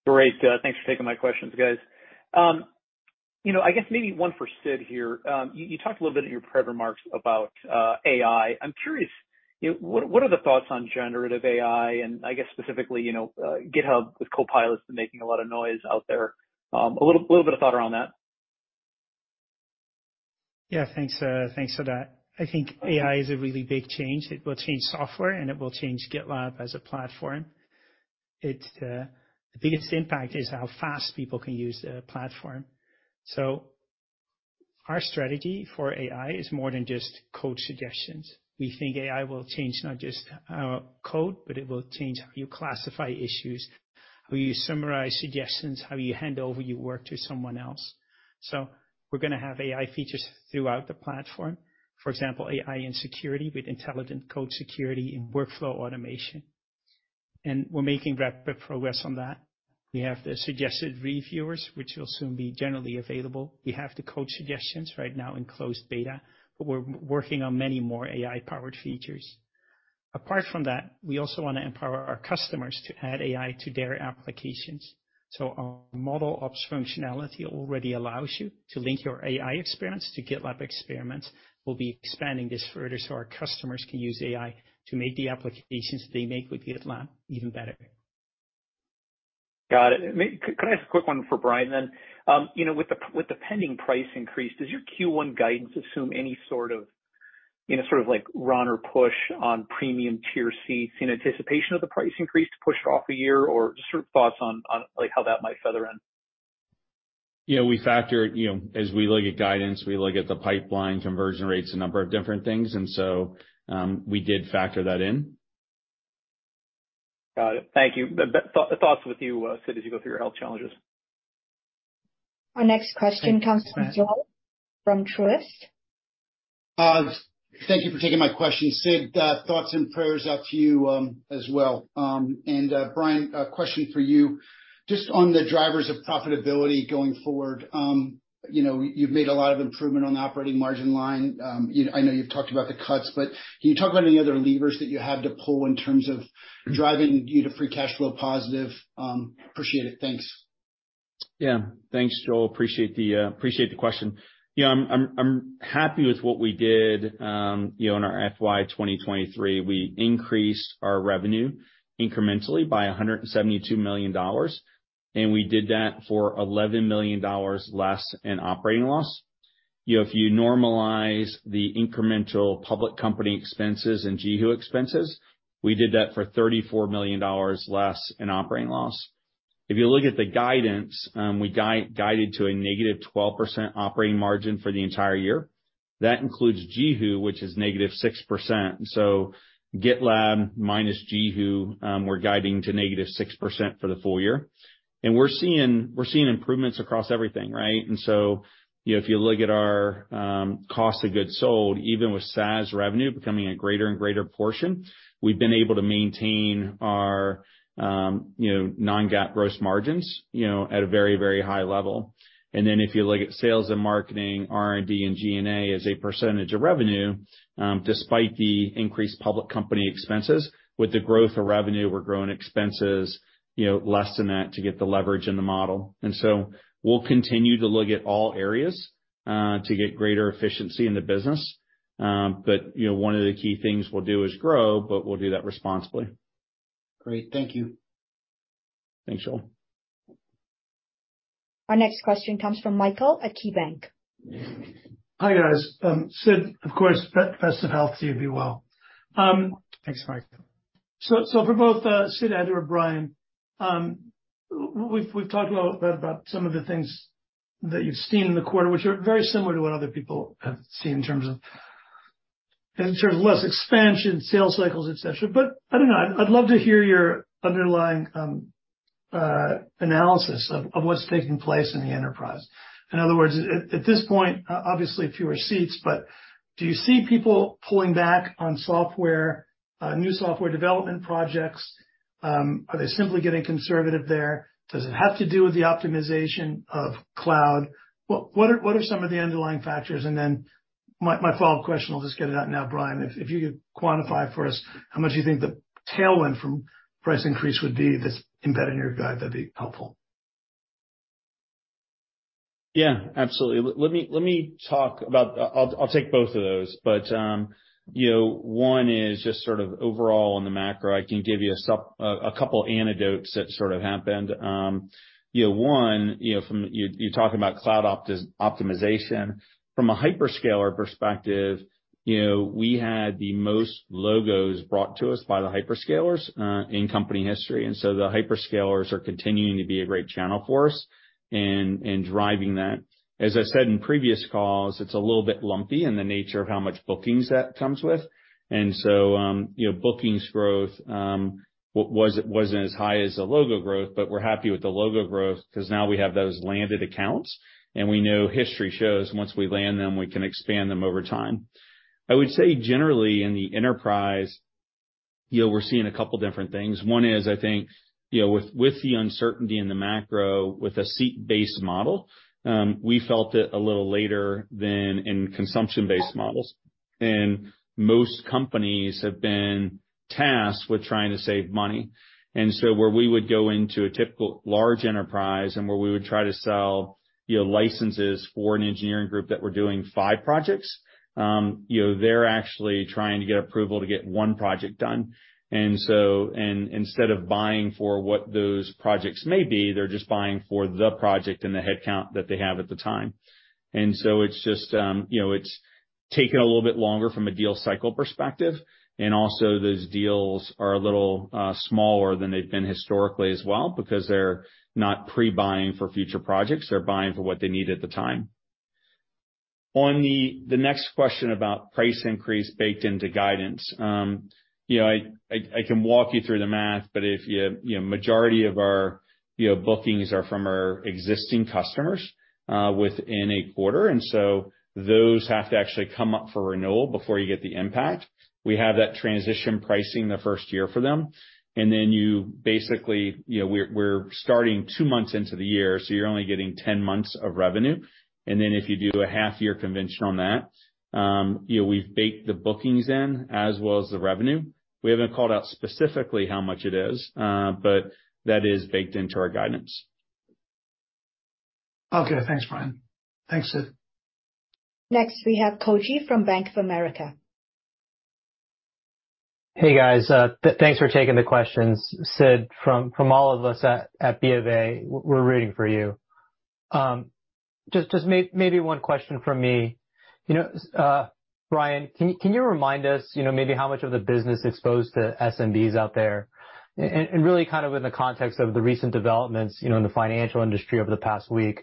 S6: Great. Thanks for taking my questions, guys. You know, I guess maybe one for Sid here. You, you talked a little bit in your prep remarks about AI. I'm curious, you know, what are the thoughts on generative AI and I guess specifically, you know, GitHub with Copilot making a lot of noise out there? A little bit of thought around that.
S2: Yeah. Thanks, thanks for that. I think AI is a really big change. It will change software, and it will change GitLab as a platform. It, the biggest impact is how fast people can use the platform. Our strategy for AI is more than just Code Suggestions. We think AI will change not just code, but it will change how you classify issues, how you summarize suggestions, how you hand over your work to someone else. We're gonna have AI features throughout the platform. For example, AI and security with intelligent code security and workflow automation. We're making rapid progress on that. We have the Suggested Reviewers, which will soon be generally available. We have the Code Suggestions right now in closed beta, but we're working on many more AI-powered features. Apart from that, we also wanna empower our customers to add AI to their applications. Our ModelOps functionality already allows you to link your AI experience to GitLab experiments. We'll be expanding this further so our customers can use AI to make the applications they make with GitLab even better.
S6: Got it. Could I ask a quick one for Brian then? You know, with the, with the pending price increase, does your Q1 guidance assume any sort of, you know, sort of like run or push on Premium tier C in anticipation of the price increase to push it off a year, or just sort of thoughts on, like, how that might feather in?
S3: Yeah. We factor You know, as we look at guidance, we look at the pipeline conversion rates, a number of different things, and so, we did factor that in.
S6: Got it. Thank you. Thoughts with you, Sid, as you go through your health challenges.
S2: Thanks, Matt.
S1: Our next question comes from Joel from Truist.
S7: Thank you for taking my question. Sid, thoughts and prayers out to you, as well. Brian, a question for you. Just on the drivers of profitability going forward, you know, you've made a lot of improvement on the operating margin line. I know you've talked about the cuts, but can you talk about any other levers that you have to pull in terms of driving you to free cash flow positive? Appreciate it. Thanks.
S3: Yeah. Thanks, Joel. Appreciate the question. You know, I'm happy with what we did, you know, in our FY 2023. We increased our revenue incrementally by $172 million, and we did that for $11 million less in operating loss. You know, if you normalize the incremental public company expenses and JiHu expenses, we did that for $34 million less in operating loss. If you look at the guidance, we guided to a -12% operating margin for the entire year. That includes JiHu, which is -6%. GitLab minus JiHu, we're guiding to -6% for the full year. We're seeing improvements across everything, right? You know, if you look at our cost of goods sold, even with SaaS revenue becoming a greater and greater portion, we've been able to maintain our, you know, non-GAAP gross margins, you know, at a very, very high level. If you look at sales and marketing, R&D, and G&A as a percentage of revenue, despite the increased public company expenses, with the growth of revenue, we're growing expenses, you know, less than that to get the leverage in the model. We'll continue to look at all areas to get greater efficiency in the business. You know, one of the key things we'll do is grow, but we'll do that responsibly.
S7: Great. Thank you.
S3: Thanks, Joel.
S1: Our next question comes from Michael at KeyBanc.
S8: Hi, guys. Sid, of course, best of health to you and be well.
S3: Thanks, Mike.
S8: For both Sid and/or Brian, we've talked a lot about some of the things that you've seen in the quarter, which are very similar to what other people have seen in terms of less expansion, sales cycles, et cetera. I don't know, I'd love to hear your underlying analysis of what's taking place in the enterprise. In other words, at this point, obviously fewer seats, but do you see people pulling back on software, new software development projects? Are they simply getting conservative there? Does it have to do with the optimization of cloud? What are some of the underlying factors? My follow-up question, I'll just get it out now, Brian, if you could quantify for us how much you think the tailwind from price increase would be that's embedded in your guide, that'd be helpful.
S3: Yeah, absolutely. Let me talk about. I'll take both of those. You know, one is just sort of overall on the macro, I can give you a couple anecdotes that sort of happened. You know, one, you talked about cloud optimization. From a hyperscaler perspective, you know, we had the most logos brought to us by the hyperscalers in company history. The hyperscalers are continuing to be a great channel for us and driving that. As I said in previous calls, it's a little bit lumpy in the nature of how much bookings that comes with. You know, bookings growth wasn't as high as the logo growth, but we're happy with the logo growth 'cause now we have those landed accounts. We know history shows once we land them, we can expand them over time. I would say generally in the enterprise, you know, we're seeing a couple different things. One is I think, you know, with the uncertainty in the macro, with a seat-based model, we felt it a little later than in consumption-based models. Most companies have been tasked with trying to save money. Where we would go into a typical large enterprise and where we would try to sell, you know, licenses for an engineering group that we're doing five projects, you know, they're actually trying to get approval to get one project done. Instead of buying for what those projects may be, they're just buying for the project and the headcount that they have at the time. It's just, you know, it's taken a little bit longer from a deal cycle perspective, and also those deals are a little smaller than they've been historically as well because they're not pre-buying for future projects. They're buying for what they need at the time. On the next question about price increase baked into guidance, you know, I can walk you through the math, but if you know, majority of our, you know, bookings are from our existing customers within a quarter, and so those have to actually come up for renewal before you get the impact. We have that transition pricing the first year for them. You basically, you know, we're starting two months into the year, so you're only getting 10 months of revenue. If you do a half year convention on that, you know, we've baked the bookings in as well as the revenue. We haven't called out specifically how much it is, but that is baked into our guidance.
S8: Okay. Thanks, Brian. Thanks, Sid.
S1: Next, we have Koji from Bank of America.
S9: Hey, guys. Thanks for taking the questions. Sid, from all of us at Bank of America, we're rooting for you. Just maybe one question from me. You know, Brian, can you remind us, you know, maybe how much of the business exposed to SMBs out there? Really kind of in the context of the recent developments, you know, in the financial industry over the past week,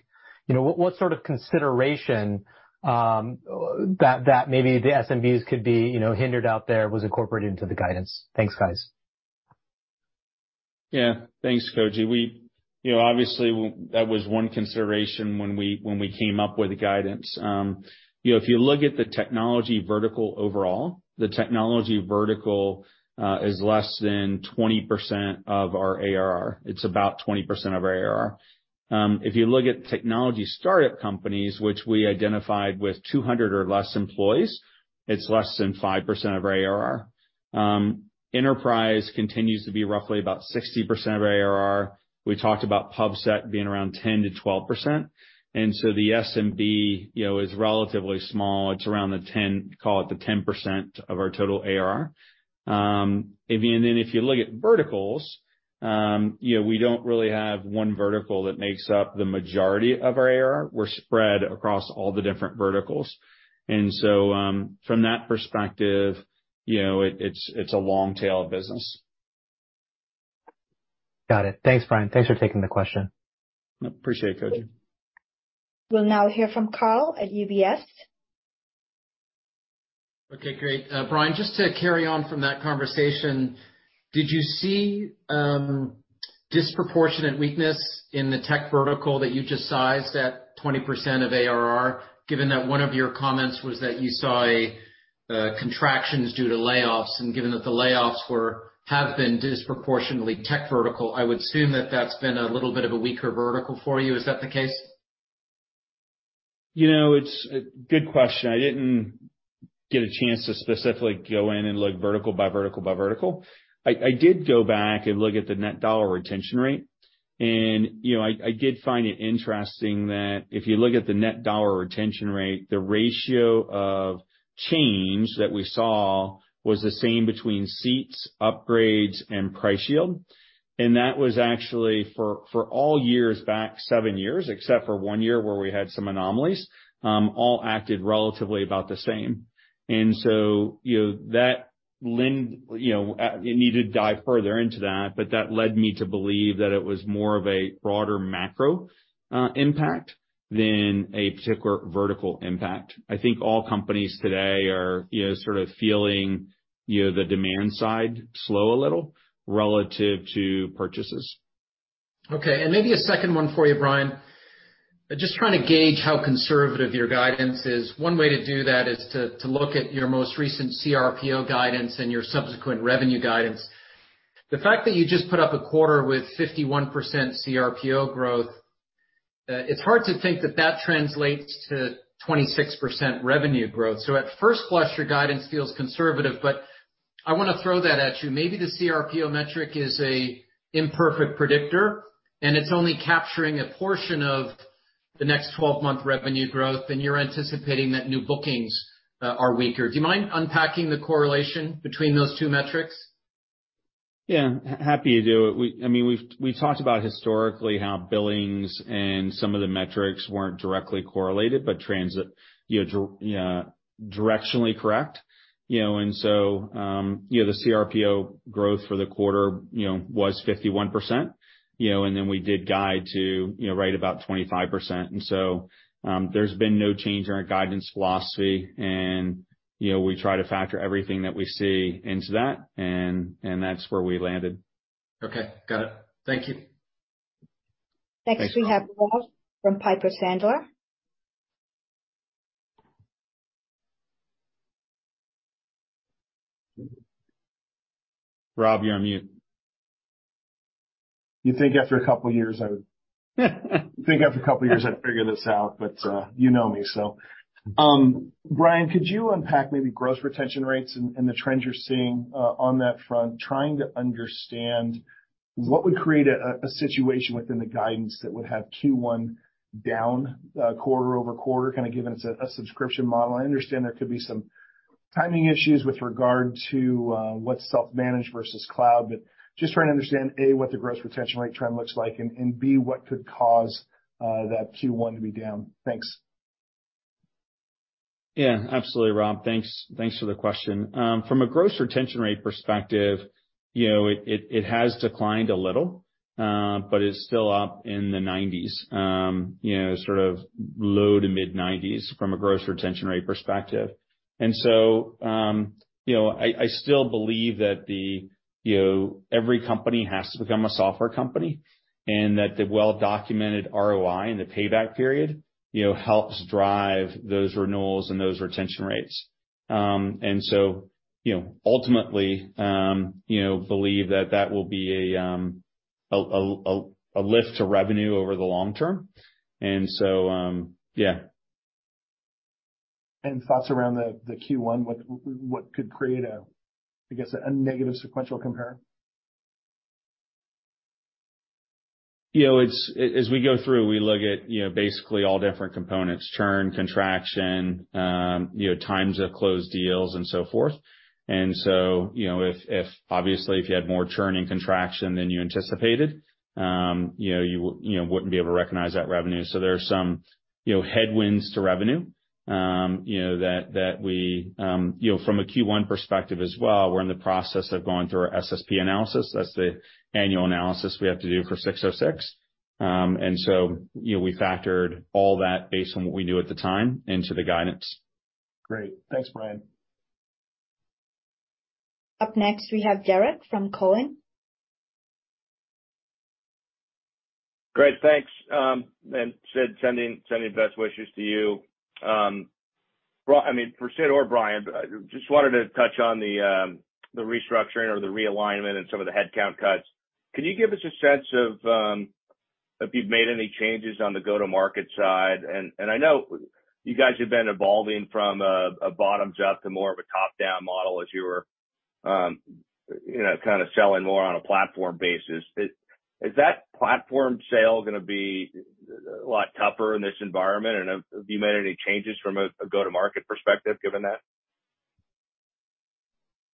S9: you know, what sort of consideration that maybe the SMBs could be, you know, hindered out there was incorporated into the guidance? Thanks, guys.
S3: Yeah. Thanks, Koji. We you know, obviously that was one consideration when we came up with the guidance. You know, if you look at the technology vertical overall, the technology vertical is less than 20% of our ARR. It's about 20% of our ARR. If you look at technology startup companies, which we identified with 200 or less employees, it's less than 5% of ARR. Enterprise continues to be roughly about 60% of ARR. We talked about PubSec being around 10%-12%. The SMB, you know, is relatively small. It's around the 10, call it the 10% of our total ARR. If you look at verticals, you know, we don't really have one vertical that makes up the majority of our ARR. We're spread across all the different verticals. From that perspective, you know, it's, it's a long tail business.
S9: Got it. Thanks, Brian. Thanks for taking the question.
S3: Appreciate it, Koji.
S1: We'll now hear from Karl at UBS.
S10: Okay, great. Brian, just to carry on from that conversation, did you see disproportionate weakness in the tech vertical that you just sized at 20% of ARR, given that one of your comments was that you saw contractions due to layoffs, and given that the layoffs have been disproportionately tech vertical, I would assume that that's been a little bit of a weaker vertical for you. Is that the case?
S3: You know, it's a good question. I didn't get a chance to specifically go in and look vertical by vertical by vertical. I did go back and look at the net dollar retention rate. You know, I did find it interesting that if you look at the net dollar retention rate, the ratio of change that we saw was the same between seats, upgrades, and price increase. That was actually for all years back seven years, except for one year where we had some anomalies, all acted relatively about the same. You know, you need to dive further into that, but that led me to believe that it was more of a broader macro impact than a particular vertical impact.I think all companies today are, you know, sort of feeling, you know, the demand side slow a little relative to purchases.
S10: Okay. Maybe a second one for you, Brian. Just trying to gauge how conservative your guidance is. One way to do that is to look at your most recent CRPO guidance and your subsequent revenue guidance. The fact that you just put up a quarter with 51% CRPO growth, it's hard to think that that translates to 26% revenue growth. At first blush, your guidance feels conservative, but I wanna throw that at you. Maybe the CRPO metric is an imperfect predictor, and it's only capturing a portion of the next 12-month revenue growth, and you're anticipating that new bookings are weaker. Do you mind unpacking the correlation between those two metrics?
S3: Yeah. Happy to do it. I mean, we've talked about historically how billings and some of the metrics weren't directly correlated, but transit, you know, directionally correct. You know, the CRPO growth for the quarter, you know, was 51%, you know, and then we did guide to, you know, right about 25%. There's been no change in our guidance philosophy and, you know, we try to factor everything that we see into that, and that's where we landed.
S10: Okay. Got it. Thank you.
S3: Thanks, Karl.
S1: Next, we have Rob from Piper Sandler.
S3: Rob, you're on mute. You think after a couple years, I'd figure this out, but you know me, so. Brian, could you unpack maybe gross retention rates and the trends you're seeing on that front, trying to understand what would create a situation within the guidance that would have Q1 down, quarter-over-quarter, kinda given it's a subscription model. I understand there could be some timing issues with regard to what's self-managed versus cloud, but just trying to understand, A, what the gross retention rate trend looks like, and B, what could cause that Q1 to be down. Thanks. Absolutely, Rob. Thanks for the question. From a gross retention rate perspective, you know, it has declined a little, but is still up in the nineties, you know, sort of low to mid-nineties from a gross retention rate perspective. I still believe that, you know, every company has to become a software company, and that the well-documented ROI and the payback period, you know, helps drive those renewals and those retention rates. Believe that that will be a lift to revenue over the long term.
S11: Any thoughts around the Q1? What could create a, I guess, a negative sequential compare?
S3: You know, as we go through, we look at, you know, basically all different components: churn, contraction, you know, times of closed deals and so forth. You know, if obviously if you had more churn and contraction than you anticipated, you know, you wouldn't be able to recognize that revenue. There are some, you know, headwinds to revenue, you know, that we, you know, from a Q1 perspective as well, we're in the process of going through our SSP analysis. That's the annual analysis we have to do for ASC 606. You know, we factored all that based on what we knew at the time into the guidance.
S11: Great. Thanks, Brian.
S1: Up next, we have Derrick from Cowen.
S12: Great. Thanks. Sid, sending best wishes to you. I mean, for Sid or Brian, just wanted to touch on the restructuring or the realignment and some of the headcount cuts. Can you give us a sense of if you've made any changes on the go-to-market side? I know you guys have been evolving from a bottom job to more of a top-down model as you were, you know, kinda selling more on a platform basis. Is that platform sale gonna be a lot tougher in this environment? Have you made any changes from a go-to-market perspective given that?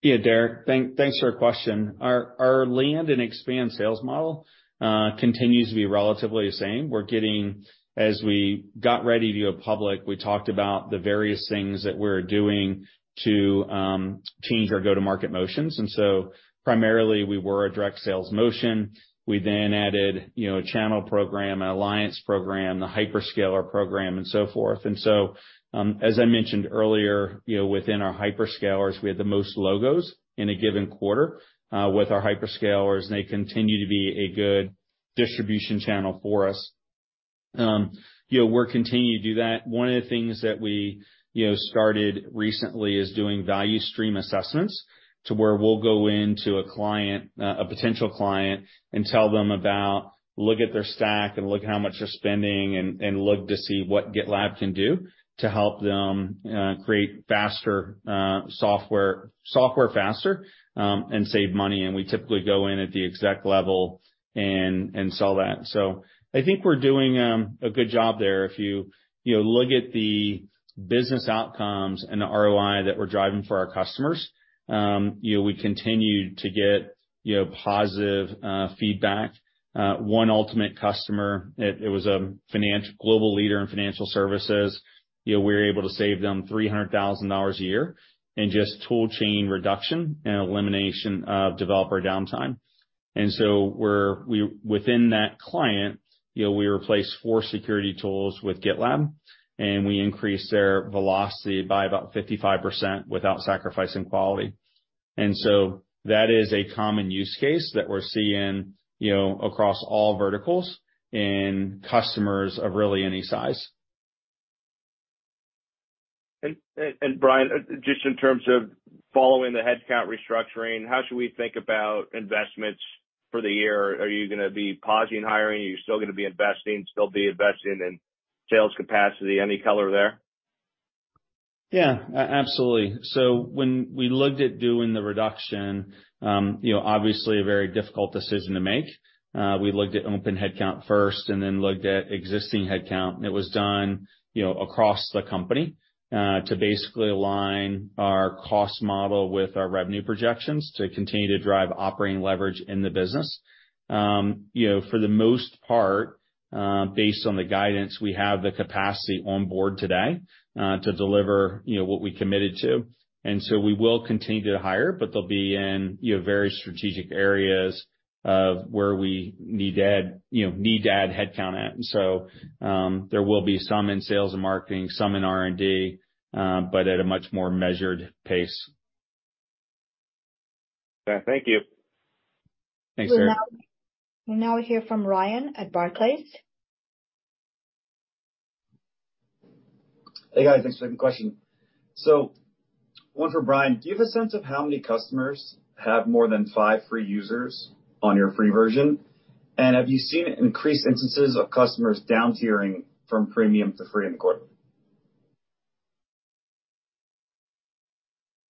S3: Yeah, Derrick, thanks for your question. Our land and expand sales model continues to be relatively the same. As we got ready to go public, we talked about the various things that we're doing to change our go-to-market motions. Primarily, we were a direct sales motion. We then added, you know, a channel program, an alliance program, the hyperscaler program and so forth. As I mentioned earlier, you know, within our hyperscalers, we had the most logos in a given quarter with our hyperscalers, and they continue to be a good distribution channel for us. You know, we're continuing to do that. One of the things that we, you know, started recently is doing value stream assessments to where we'll go into a client, a potential client, and tell them about look at their stack and look at how much they're spending and look to see what GitLab can do to help them create faster software faster and save money. We typically go in at the exec level and sell that. I think we're doing a good job there. If you know, look at the business outcomes and the ROI that we're driving for our customers, you know, we continue to get, you know, positive feedback. one GitLab Ultimate customer, it was a global leader in financial services, you know, we were able to save them $300,000 a year in just tool chain reduction and elimination of developer downtime. We, within that client, you know, we replaced four security tools with GitLab, and we increased their velocity by about 55% without sacrificing quality. That is a common use case that we're seeing, you know, across all verticals in customers of really any size.
S12: Brian, just in terms of following the headcount restructuring, how should we think about investments for the year? Are you gonna be pausing hiring? Are you still gonna be investing in sales capacity? Any color there?
S3: Absolutely. When we looked at doing the reduction, you know, obviously a very difficult decision to make. We looked at open headcount first and then looked at existing headcount. It was done, you know, across the company to basically align our cost model with our revenue projections to continue to drive operating leverage in the business. You know, for the most part, based on the guidance, we have the capacity on board today to deliver, you know, what we committed to. We will continue to hire, but they'll be in, you know, very strategic areas of where we need to add headcount at. There will be some in sales and marketing, some in R&D, but at a much more measured pace.
S12: Okay. Thank you.
S3: Thanks, Derrick.
S1: We'll now hear from Ryan at Barclays.
S13: Hey, guys. Thanks for the question. One for Brian, do you have a sense of how many customers have more than five free users on your free version? Have you seen increased instances of customers downtiering from Premium to free in the quarter?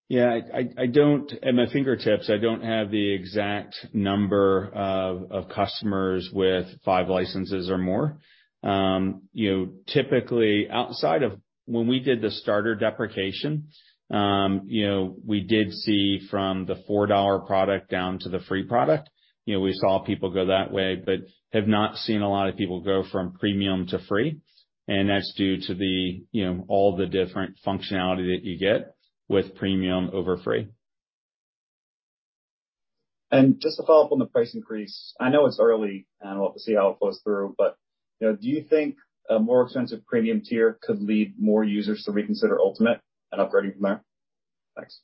S3: Yeah, I don't at my fingertips, I don't have the exact number of customers with five licenses or more. You know, typically, outside of when we did the Starter deprecation, you know, we did see from the $4 product down to the free product. You know, we saw people go that way, have not seen a lot of people go from Premium to free. That's due to the, you know, all the different functionality that you get with Premium over free.
S13: Just to follow up on the price increase, I know it's early and we'll have to see how it flows through, but, you know, do you think a more expensive premium tier could lead more users to reconsider Ultimate and upgrading from there? Thanks.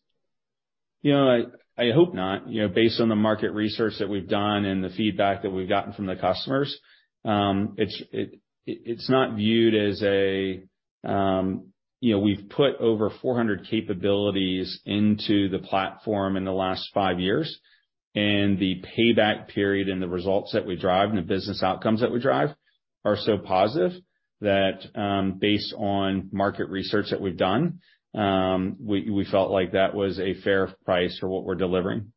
S3: You know, I hope not. You know, based on the market research that we've done and the feedback that we've gotten from the customers, it's not viewed as a, you know, we've put over 400 capabilities into the platform in the last five years. The payback period and the results that we drive and the business outcomes that we drive are so positive that, based on market research that we've done, we felt like that was a fair price for what we're delivering.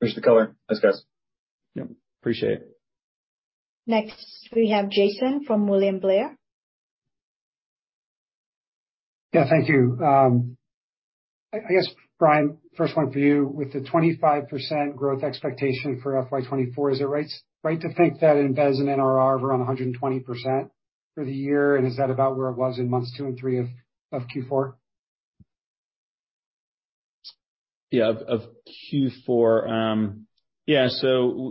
S13: Thanks for the color. Thanks, guys.
S3: Yep. Appreciate it.
S1: Next, we have Jason from William Blair.
S14: Yeah. Thank you. I guess, Brian, first one for you. With the 25% growth expectation for FY 2024, is it right to think that it embeds an NRR of around 120% for the year? Is that about where it was in months two and three of Q4?
S3: Of Q4.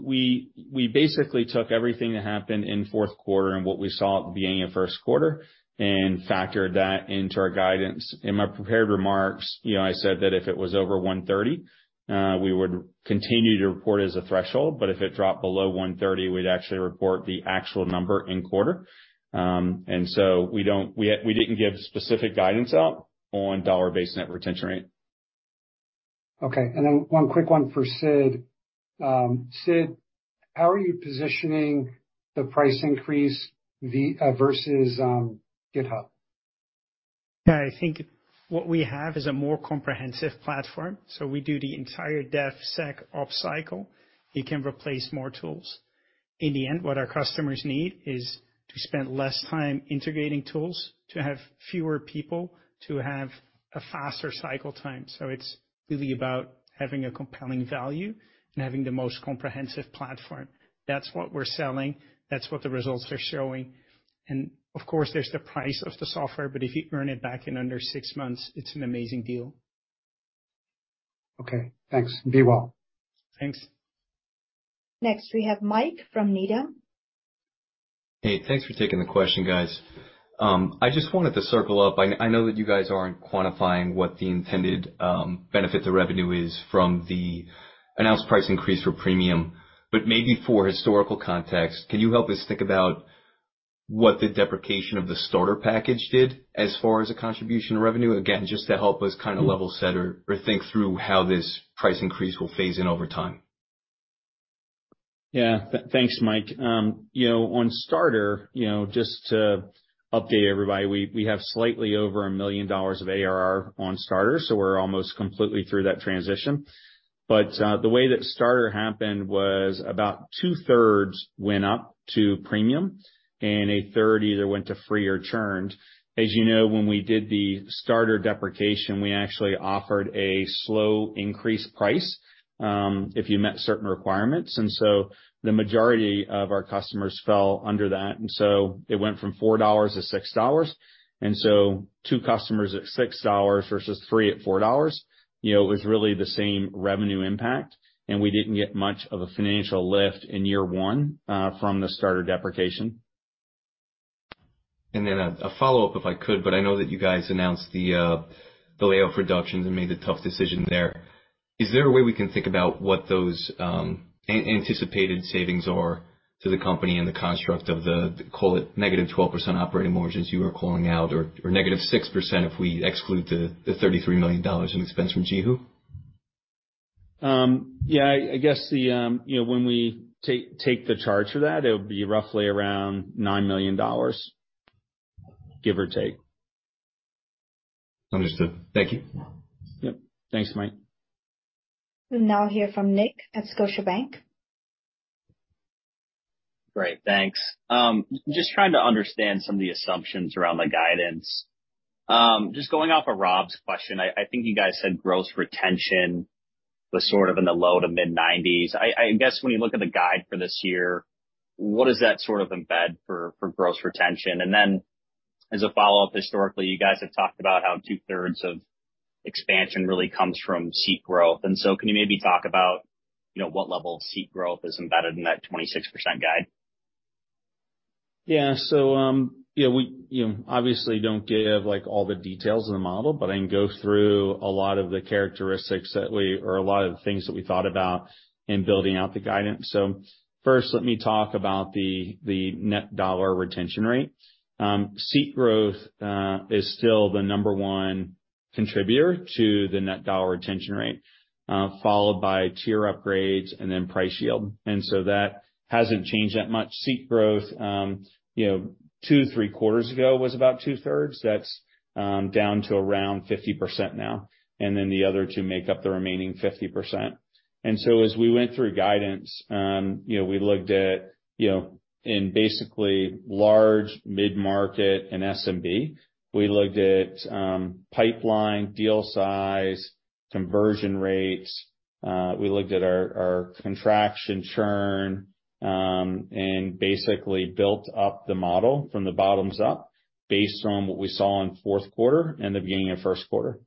S3: We basically took everything that happened in fourth quarter and what we saw at the beginning of first quarter and factored that into our guidance. In my prepared remarks, you know, I said that if it was over 130, we would continue to report as a threshold, but if it dropped below 130, we'd actually report the actual number in quarter. We don't, we didn't give specific guidance out on dollar-based net retention rate.
S14: Okay. One quick one for Sid. Sid, how are you positioning the price increase versus GitHub?
S2: Yeah. I think what we have is a more comprehensive platform. We do the entire DevSecOps cycle. We can replace more tools.In the end, what our customers need is to spend less time integrating tools, to have fewer people, to have a faster cycle time. It's really about having a compelling value and having the most comprehensive platform. That's what we're selling. That's what the results are showing. Of course, there's the price of the software, but if you earn it back in under six months, it's an amazing deal.
S1: Okay, thanks. Be well.
S3: Thanks.
S1: Next, we have Mike from Needham.
S15: Hey, thanks for taking the question, guys. I just wanted to circle up. I know that you guys aren't quantifying what the intended benefit to revenue is from the announced price increase for Premium, maybe for historical context, can you help us think about what the deprecation of the Starter package did as far as the contribution revenue? Just to help us kinda level set or think through how this price increase will phase in over time.
S3: Yeah. Thanks, Mike. you know, on Starter, you know, just to update everybody, we have slightly over $1 million of ARR on Starter, so we're almost completely through that transition. The way that Starter happened was about 2/3 went up to Premium and 1/3 either went to free or churned. As you know, when we did the Starter deprecation, we actually offered a slow increase price, if you met certain requirements. The majority of our customers fell under that. It went from $4 to $6. Two customers at $6 versus three at $4, you know, is really the same revenue impact, and we didn't get much of a financial lift in year one from the Starter deprecation.
S15: A follow-up, if I could, but I know that you guys announced the layoff reductions and made a tough decision there. Is there a way we can think about what those anticipated savings are to the company and the construct of the, call it -12% operating margins you were calling out or -6% if we exclude the $33 million in expense from JiHu?
S3: Yeah. I guess the, you know, when we take the charge for that, it would be roughly around $9 million, give or take.
S15: Understood. Thank you.
S3: Yep. Thanks, Mike.
S1: We'll now hear from Nick at Scotiabank.
S16: Great. Thanks. Just trying to understand some of the assumptions around the guidance. Just going off of Rob's question, I think you guys said gross retention was sort of in the low to mid-90s%. I guess when you look at the guide for this year, what does that sort of embed for gross retention? As a follow-up, historically, you guys have talked about how 2/3 of expansion really comes from seat growth, so can you maybe talk about, you know, what level of seat growth is embedded in that 26% guide?
S3: Yeah, we, you know, obviously don't give, like, all the details of the model, but I can go through a lot of the characteristics that we thought about in building out the guidance. First, let me talk about the net dollar retention rate. Seat growth is still the number one contributor to the net dollar retention rate, followed by tier upgrades and then price yield. That hasn't changed that much. Seat growth, you know, two, three quarters ago was about 2/3. That's down to around 50% now. The other two make up the remaining 50%. As we went through guidance, you know, we looked at, you know, in basically large mid-market and SMB. We looked at pipeline, deal size, conversion rates. We looked at our contraction churn, basically built up the model from the bottoms up based on what we saw in fourth quarter and the beginning of first quarter.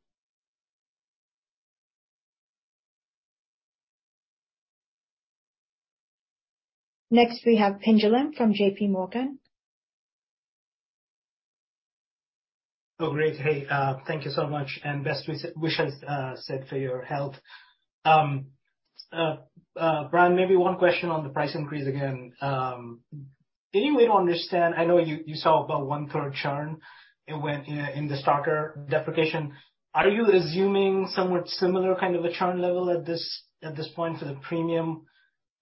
S1: Next, we have Pinjalim from JPMorgan.
S17: Great. Hey, thank you so much, and best wishes, Sid, for your health. Brian, maybe one question on the price increase again. Any way to understand? I know you saw about 1/3 churn. It went, you know, in the Starter deprecation. Are you assuming somewhat similar kind of a churn level at this, at this point for the Premium price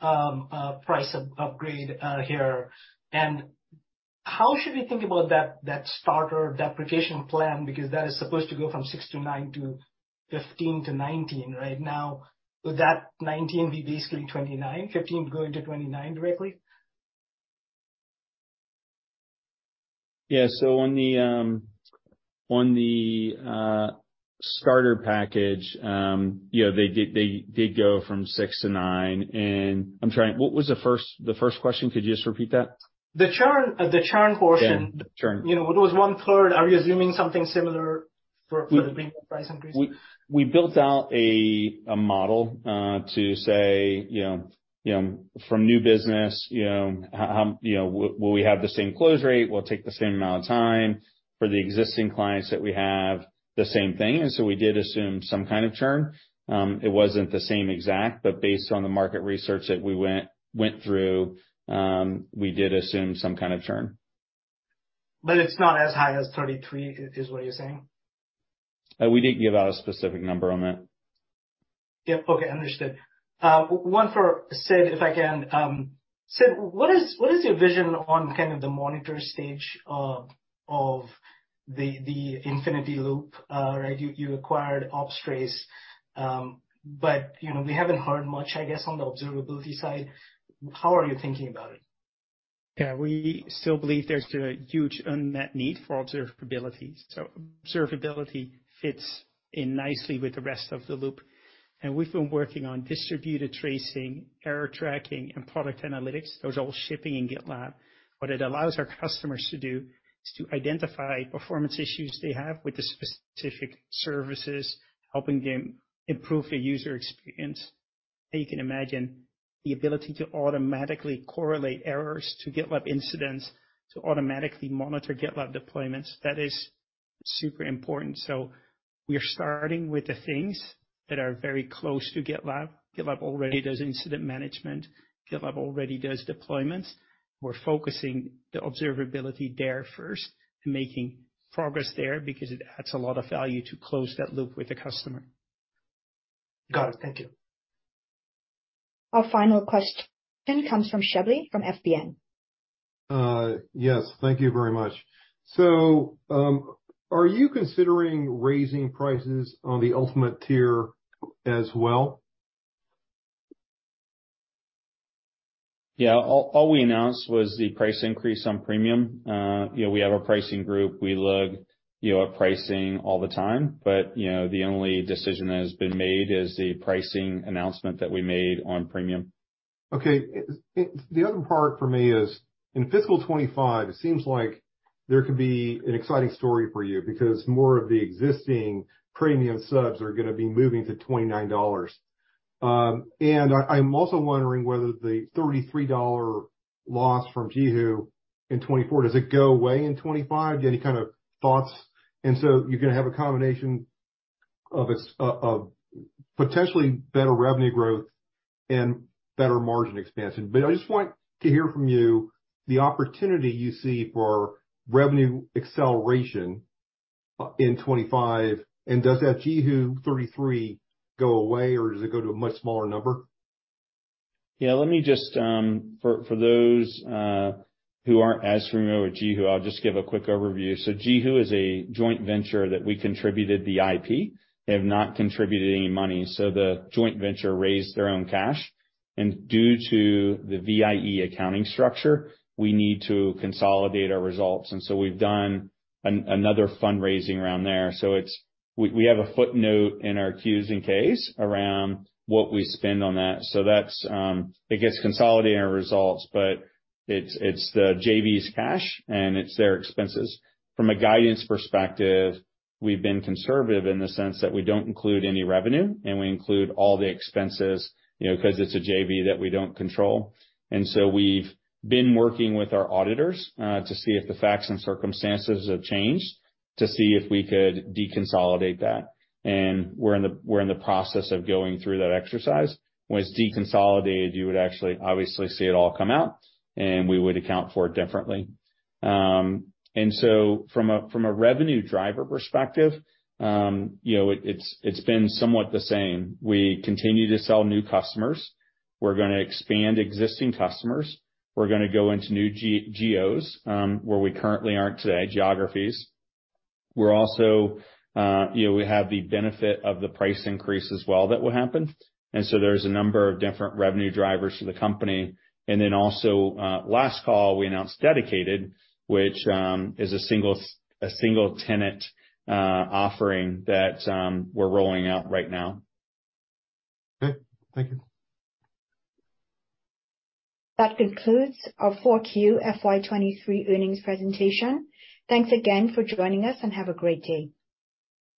S17: upgrade here? How should we think about that Starter deprecation plan? Because that is supposed to go from six to nine to 15 to 19 right now. Would that 19 be basically 29? 15 going to 29 directly?
S3: Yeah. On the Starter package, you know, they did go from six to nine. What was the first question? Could you just repeat that?
S17: The churn portion.
S3: Yeah. The churn.
S17: You know, it was 1/3. Are you assuming something similar for the Premium price increase?
S3: We built out a model to say, you know, from new business, you know, how, you know, will we have the same close rate? Will it take the same amount of time for the existing clients that we have the same thing? We did assume some kind of churn. It wasn't the same exact, but based on the market research that we went through, we did assume some kind of churn.
S17: It's not as high as 33, is what you're saying?
S3: We didn't give out a specific number on that.
S17: Yeah. Okay. Understood. One for Sid, if I can. Sid, what is your vision on kind of the monitor stage of the infinity loop? Right? You, you acquired Opstrace, but, you know, we haven't heard much, I guess, on the observability side. How are you thinking about it?
S2: Yeah. We still believe there's a huge unmet need for observability. Observability fits in nicely with the rest of the loop. We've been working on distributed tracing, error tracking, and product analytics. Those are all shipping in GitLab. What it allows our customers to do is to identify performance issues they have with the specific services, helping them improve the user experience. You can imagine the ability to automatically correlate errors to GitLab incidents, to automatically monitor GitLab deployments, that is super important. We are starting with the things that are very close to GitLab. GitLab already does incident management. GitLab already does deployments. We're focusing the observability there first and making progress there because it adds a lot of value to close that loop with the customer.
S17: Got it. Thank you.
S1: Our final question comes from Shebly from FBN.
S18: Yes, thank you very much. Are you considering raising prices on the Ultimate tier as well?
S3: Yeah. All we announced was the price increase on premium. You know, we have a pricing group. We look, you know, at pricing all the time. You know, the only decision that has been made is the pricing announcement that we made on premium.
S18: Okay. The other part for me is, in fiscal 2025, it seems like there could be an exciting story for you because more of the existing Premium subs are gonna be moving to $29. I'm also wondering whether the $33 loss from JiHu in 2024, does it go away in 2025? Do you have any kind of thoughts? You're gonna have a combination of potentially better revenue growth and better margin expansion. I just want to hear from you the opportunity you see for revenue acceleration in 2025, and does that JiHu $33 go away, or does it go to a much smaller number?
S3: Yeah. Let me just, for those, who aren't as familiar with JiHu, I'll just give a quick overview. JiHu is a joint venture that we contributed the IP. They have not contributed any money. The joint venture raised their own cash. Due to the VIE accounting structure, we need to consolidate our results. We've done another fundraising round there. We have a footnote in our Qs and Ks around what we spend on that. That's, it gets consolidated in our results, but it's the JV's cash, and it's their expenses. From a guidance perspective, we've been conservative in the sense that we don't include any revenue, and we include all the expenses, you know, 'cause it's a JV that we don't control. We've been working with our auditors to see if the facts and circumstances have changed to see if we could deconsolidate that. We're in the process of going through that exercise. When it's deconsolidated, you would actually obviously see it all come out, and we would account for it differently. From a revenue driver perspective, you know, it's been somewhat the same. We continue to sell new customers. We're gonna expand existing customers. We're gonna go into new geographies where we currently aren't today. We're also, you know, we have the benefit of the price increase as well that will happen. There's a number of different revenue drivers for the company. Last call, we announced Dedicated, which is a single tenant offering that we're rolling out right now.
S18: Okay. Thank you.
S1: That concludes our 4Q FY 2023 earnings presentation. Thanks again for joining us and have a great day.